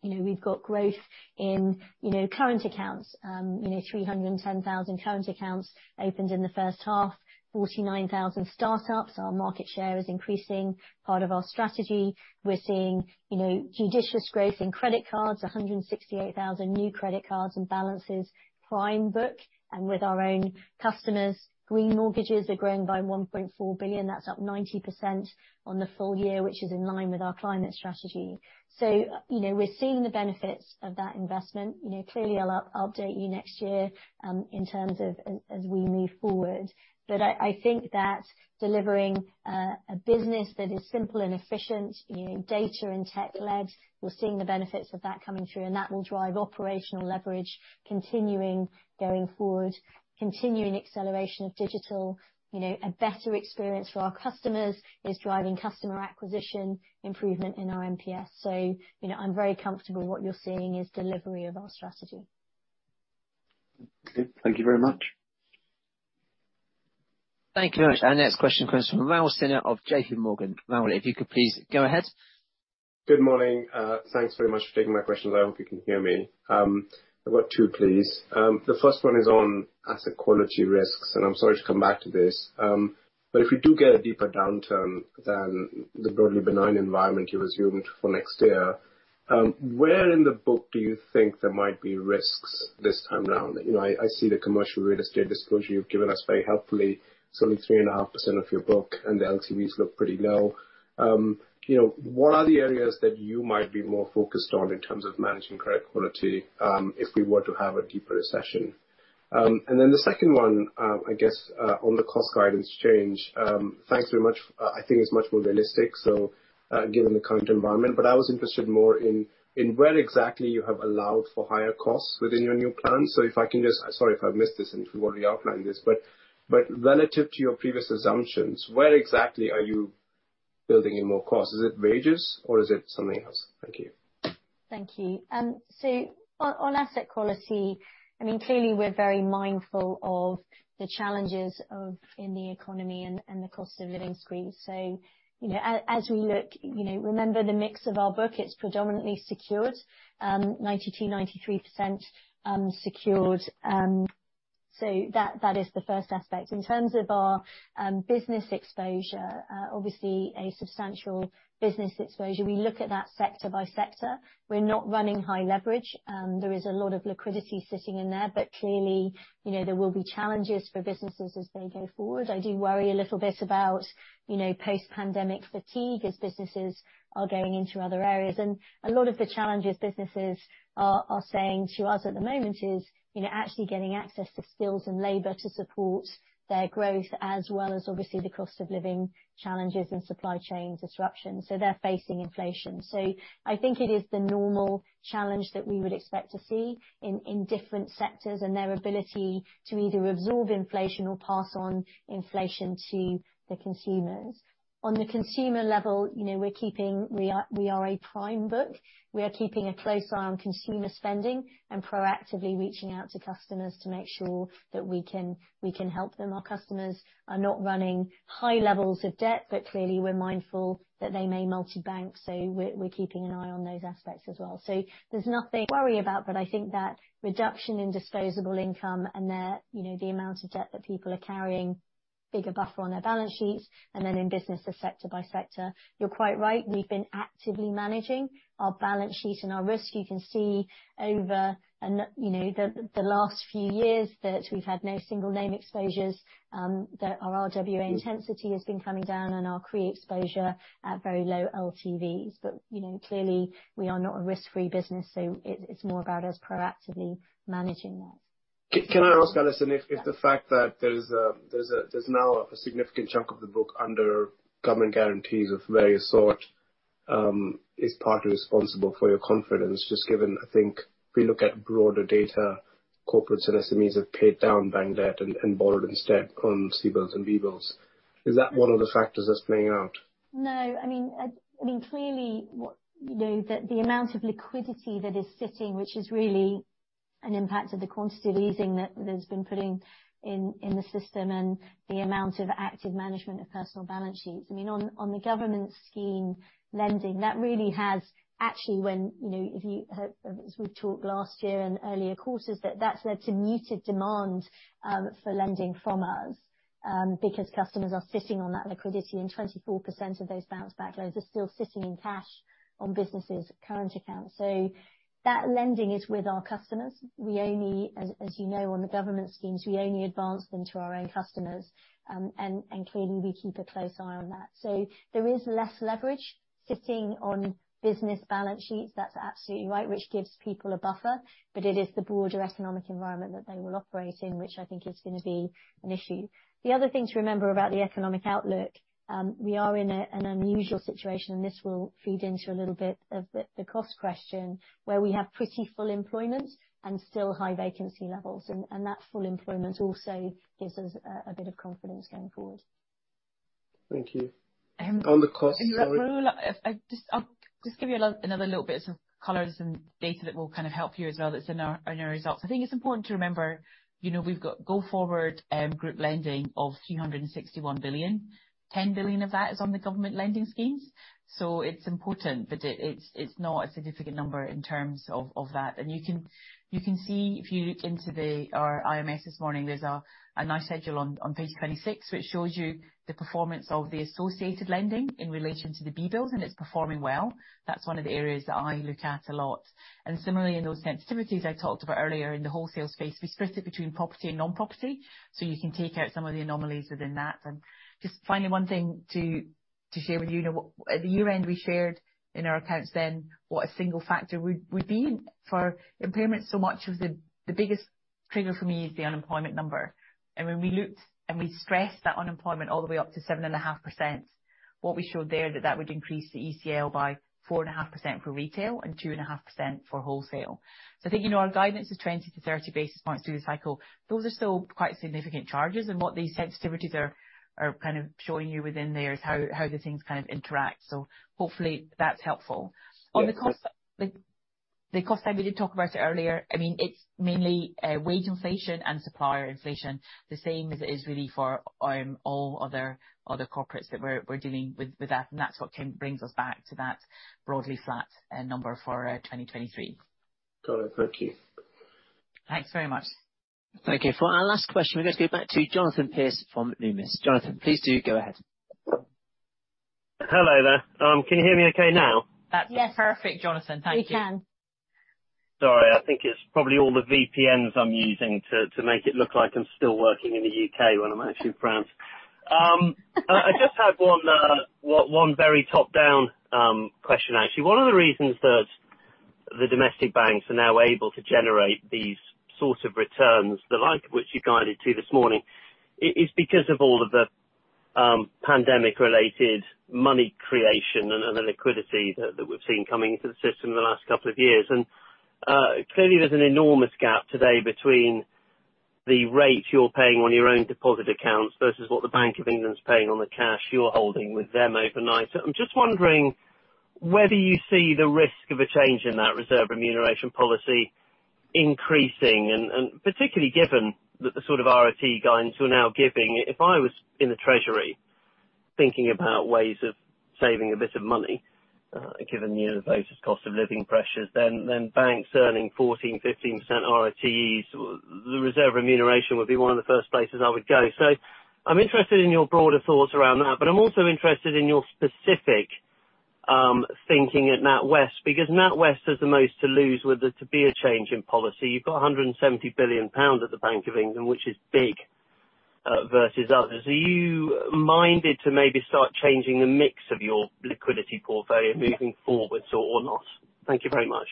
You know, we've got growth in, you know, current accounts. You know, 310,000 current accounts opened in the H1. 49,000 startups. Our market share is increasing. Part of our strategy. We're seeing, you know, judicious growth in credit cards. 168,000 new credit cards and balances, prime book. With our own customers, Green Mortgages are growing by 1.4 billion. That's up 90% on the FY, which is in line with our climate strategy. You know, we're seeing the benefits of that investment. You know, clearly I'll update you next year in terms of as we move forward. I think that delivering a business that is simple and efficient, you know, data and tech led, we're seeing the benefits of that coming through, and that will drive operational leverage continuing going forward. Continuing acceleration of digital. You know, a better experience for our customers is driving customer acquisition improvement in our NPS. You know, I'm very comfortable what you're seeing is delivery of our strategy. Okay. Thank you very much. Thank you very much. Our next question comes from Raul Sinha of JP Morgan. Raul, if you could please go ahead. Good morning. Thanks very much for taking my questions. I hope you can hear me. I've got 2, please. The first one is on asset quality risks, and I'm sorry to come back to this. If we do get a deeper downturn than the broadly benign environment you assumed for next year, where in the book do you think there might be risks this time around? You know, I see the commercial real estate disclosure you've given us very helpfully. Only 3.5% of your book and the LTVs look pretty low. You know, what are the areas that you might be more focused on in terms of managing credit quality, if we were to have a deeper recession? The second one, I guess, on the cost guidance change, thanks very much. I think it's much more realistic, given the current environment. I was interested more in where exactly you have allowed for higher costs within your new plan. Sorry if I've missed this and if you've already outlined this, but relative to your previous assumptions, where exactly are you building in more costs? Is it wages or is it something else? Thank you. Thank you. On asset quality, I mean, clearly we're very mindful of the challenges in the economy and the cost of living squeeze. You know, as we look, you know, remember the mix of our book, it's predominantly secured. 92%-93% secured. That is the first aspect. In terms of our business exposure, obviously a substantial business exposure. We look at that sector by sector. We're not running high leverage. There is a lot of liquidity sitting in there, but clearly, you know, there will be challenges for businesses as they go forward. I do worry a little bit about, you know, post-pandemic fatigue as businesses are going into other areas. A lot of the challenges businesses are saying to us at the moment is, you know, actually getting access to skills and labor to support their growth as well as obviously the cost of living challenges and supply chain disruptions. They're facing inflation. I think it is the normal challenge that we would expect to see in different sectors and their ability to either absorb inflation or pass on inflation to the consumers. On the consumer level, you know, we are a prime book. We're keeping a close eye on consumer spending and proactively reaching out to customers to make sure that we can help them. Our customers are not running high levels of debt, but clearly we're mindful that they may multi-bank, so we're keeping an eye on those aspects as well. There's nothing to worry about, but I think that reduction in disposable income and there, you know, the amount of debt that people are carrying, bigger buffer on their balance sheets, and then in business as sector by sector. You're quite right. We've been actively managing our balance sheet and our risk. You can see over, you know, the last few years that we've had no single name exposures, that our RWA intensity has been coming down and our CRE exposure at very low LTVs. You know, clearly we are not a risk-free business, so it's more about us proactively managing that. Can I ask, Alison, if...? Yeah. If the fact that there's now a significant chunk of the book under government guarantees of various sort is partly responsible for your confidence, just given I think we look at broader data, corporates and SMEs have paid down bank debt and borrowed instead on CBILS and BBLS. Is that one of the factors that's playing out? No. I mean, clearly what you know, the amount of liquidity that is sitting, which is really an impact of quantitative easing that's been put in in the system and the amount of active management of personal balance sheets. I mean, on the government scheme lending, that really has actually when you know, if you have, as we've talked last year and earlier quarters, that's led to muted demand for lending from us, because customers are sitting on that liquidity and 24% of those Bounce Back loans are still sitting in cash on businesses' current accounts. That lending is with our customers. We only, as you know, on the government schemes, we only advance them to our own customers. Clearly we keep a close eye on that. There is less leverage sitting on business balance sheets, that's absolutely right, which gives people a buffer, but it is the broader economic environment that they will operate in which I think is gonna be an issue. The other thing to remember about the economic outlook, we are in an unusual situation, and this will feed into a little bit of the cost question, where we have pretty full employment and still high vacancy levels. That full employment also gives us a bit of confidence going forward. Thank you. Um... On the cost side? I'll just give you a little, another little bit of some colors and data that will kind of help you as well that's in our results. I think it's important to remember, you know, we've got going forward group lending of 361 billion. 10 billion of that is on the government lending schemes. It's important, but it's not a significant number in terms of that. You can see if you look into our IMS this morning, there's a nice schedule on page 26 which shows you the performance of the associated lending in relation to the BBLS, and it's performing well. That's one of the areas that I look at a lot. Similarly in those sensitivities I talked about earlier in the wholesale space, we split it between property and non-property, so you can take out some of the anomalies within that. Just finally, one thing to share with you. Now at the year-end, we shared in our accounts then what a single factor would be for impairment. Much of the biggest trigger for me is the unemployment number. When we looked and we stressed that unemployment all the way up to 7.5%, what we showed there that would increase the ECL by 4.5% for retail and 2.5% for wholesale. I think, you know, our guidance is 20-30 basis points through the cycle. Those are still quite significant charges, and what these sensitivities are kind of showing you within there is how the things kind of interact. Hopefully that's helpful. Yeah. On the cost, like the cost side, we did talk about it earlier. I mean, it's mainly wage inflation and supplier inflation. The same as it is really for all other corporates that we're dealing with that, and that's what can bring us back to that broadly flat number for 2023. Got it. Thank you. Thanks very much. Thank you. For our last question, we're gonna go back to Jonathan Pierce from Numis. Jonathan, please do go ahead. Hello there. Can you hear me okay now? That's... Yes. Perfect, Jonathan. Thank you. We can. Sorry. I think it's probably all the VPNs I'm using to make it look like I'm still working in the UK when I'm actually in France. I just had one very top-down question, actually. One of the reasons that the domestic banks are now able to generate these sorts of returns, the like of which you guided to this morning, is because of all of the pandemic-related money creation and the liquidity that we've seen coming into the system in the last couple of years. Clearly there's an enormous gap today between the rate you're paying on your own deposit accounts versus what the Bank of England's paying on the cash you're holding with them overnight. I'm just wondering whether you see the risk of a change in that reserve remuneration policy increasing and particularly given that the sort of ROTE guidance we're now giving, if I was in the treasury thinking about ways of saving a bit of money, given, you know, the basic cost of living pressures, then banks earning 14%-15% ROTEs. The reserve remuneration would be one of the first places I would go. I'm interested in your broader thoughts around that. I'm also interested in your specific thinking at NatWest because NatWest has the most to lose with there to be a change in policy. You've got 170 billion pounds at the Bank of England, which is big versus others. Are you minded to maybe start changing the mix of your liquidity portfolio moving forward or not? Thank you very much.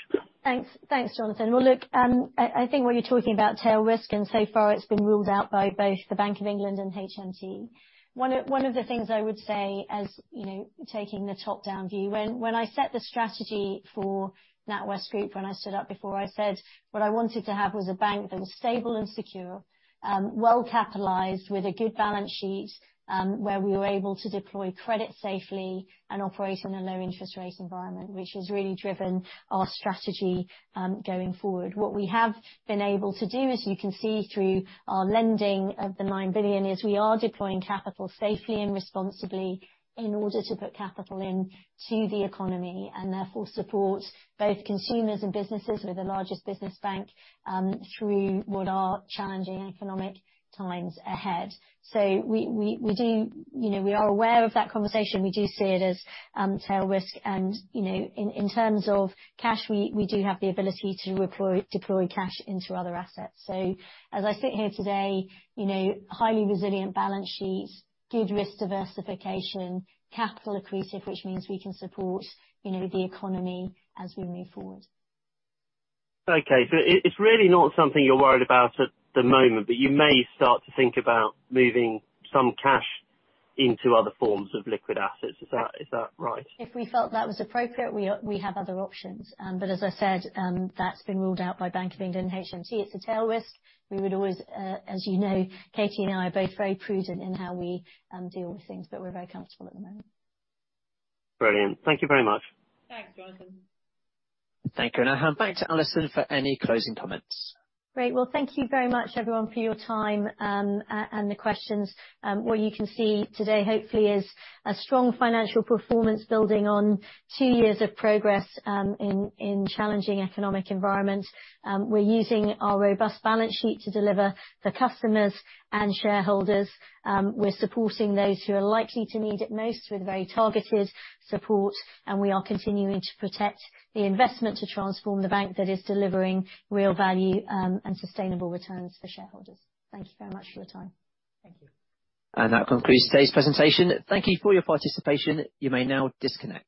Thanks, Jonathan. Well, look, I think what you're talking about tail risk, and so far it's been ruled out by both the Bank of England and HMT. One of the things I would say, as you know, taking the top-down view. When I set the strategy for NatWest Group, when I stood up before, I said what I wanted to have was a bank that was stable and secure, well-capitalized with a good balance sheet, where we were able to deploy credit safely and operate in a low interest rate environment, which has really driven our strategy, going forward. What we have been able to do, as you can see through our lending of the 9 billion, is we are deploying capital safely and responsibly in order to put capital into the economy, and therefore support both consumers and businesses. We're the largest business bank through what are challenging economic times ahead. We are aware of that conversation. We do see it as tail risk. You know, in terms of cash, we do have the ability to deploy cash into other assets. As I sit here today, you know, highly resilient balance sheets, good risk diversification, capital accretive, which means we can support, you know, the economy as we move forward. Okay. It's really not something you're worried about at the moment, but you may start to think about moving some cash into other forms of liquid assets. Is that right? If we felt that was appropriate, we have other options. As I said, that's been ruled out by Bank of England and HMT. It's a tail risk. We would always. As you know, Katie and I are both very prudent in how we deal with things, but we're very comfortable at the moment. Brilliant. Thank you very much. Thanks, Jonathan. Thank you. Now back to Alison for any closing comments. Great. Well, thank you very much, everyone, for your time, and the questions. What you can see today, hopefully is a strong financial performance building on two years of progress, in challenging economic environment. We're using our robust balance sheet to deliver for customers and shareholders. We're supporting those who are likely to need it most with very targeted support, and we are continuing to protect the investment to transform the bank that is delivering real value, and sustainable returns for shareholders. Thank you very much for your time. Thank you. That concludes today's presentation. Thank you for your participation. You may now disconnect.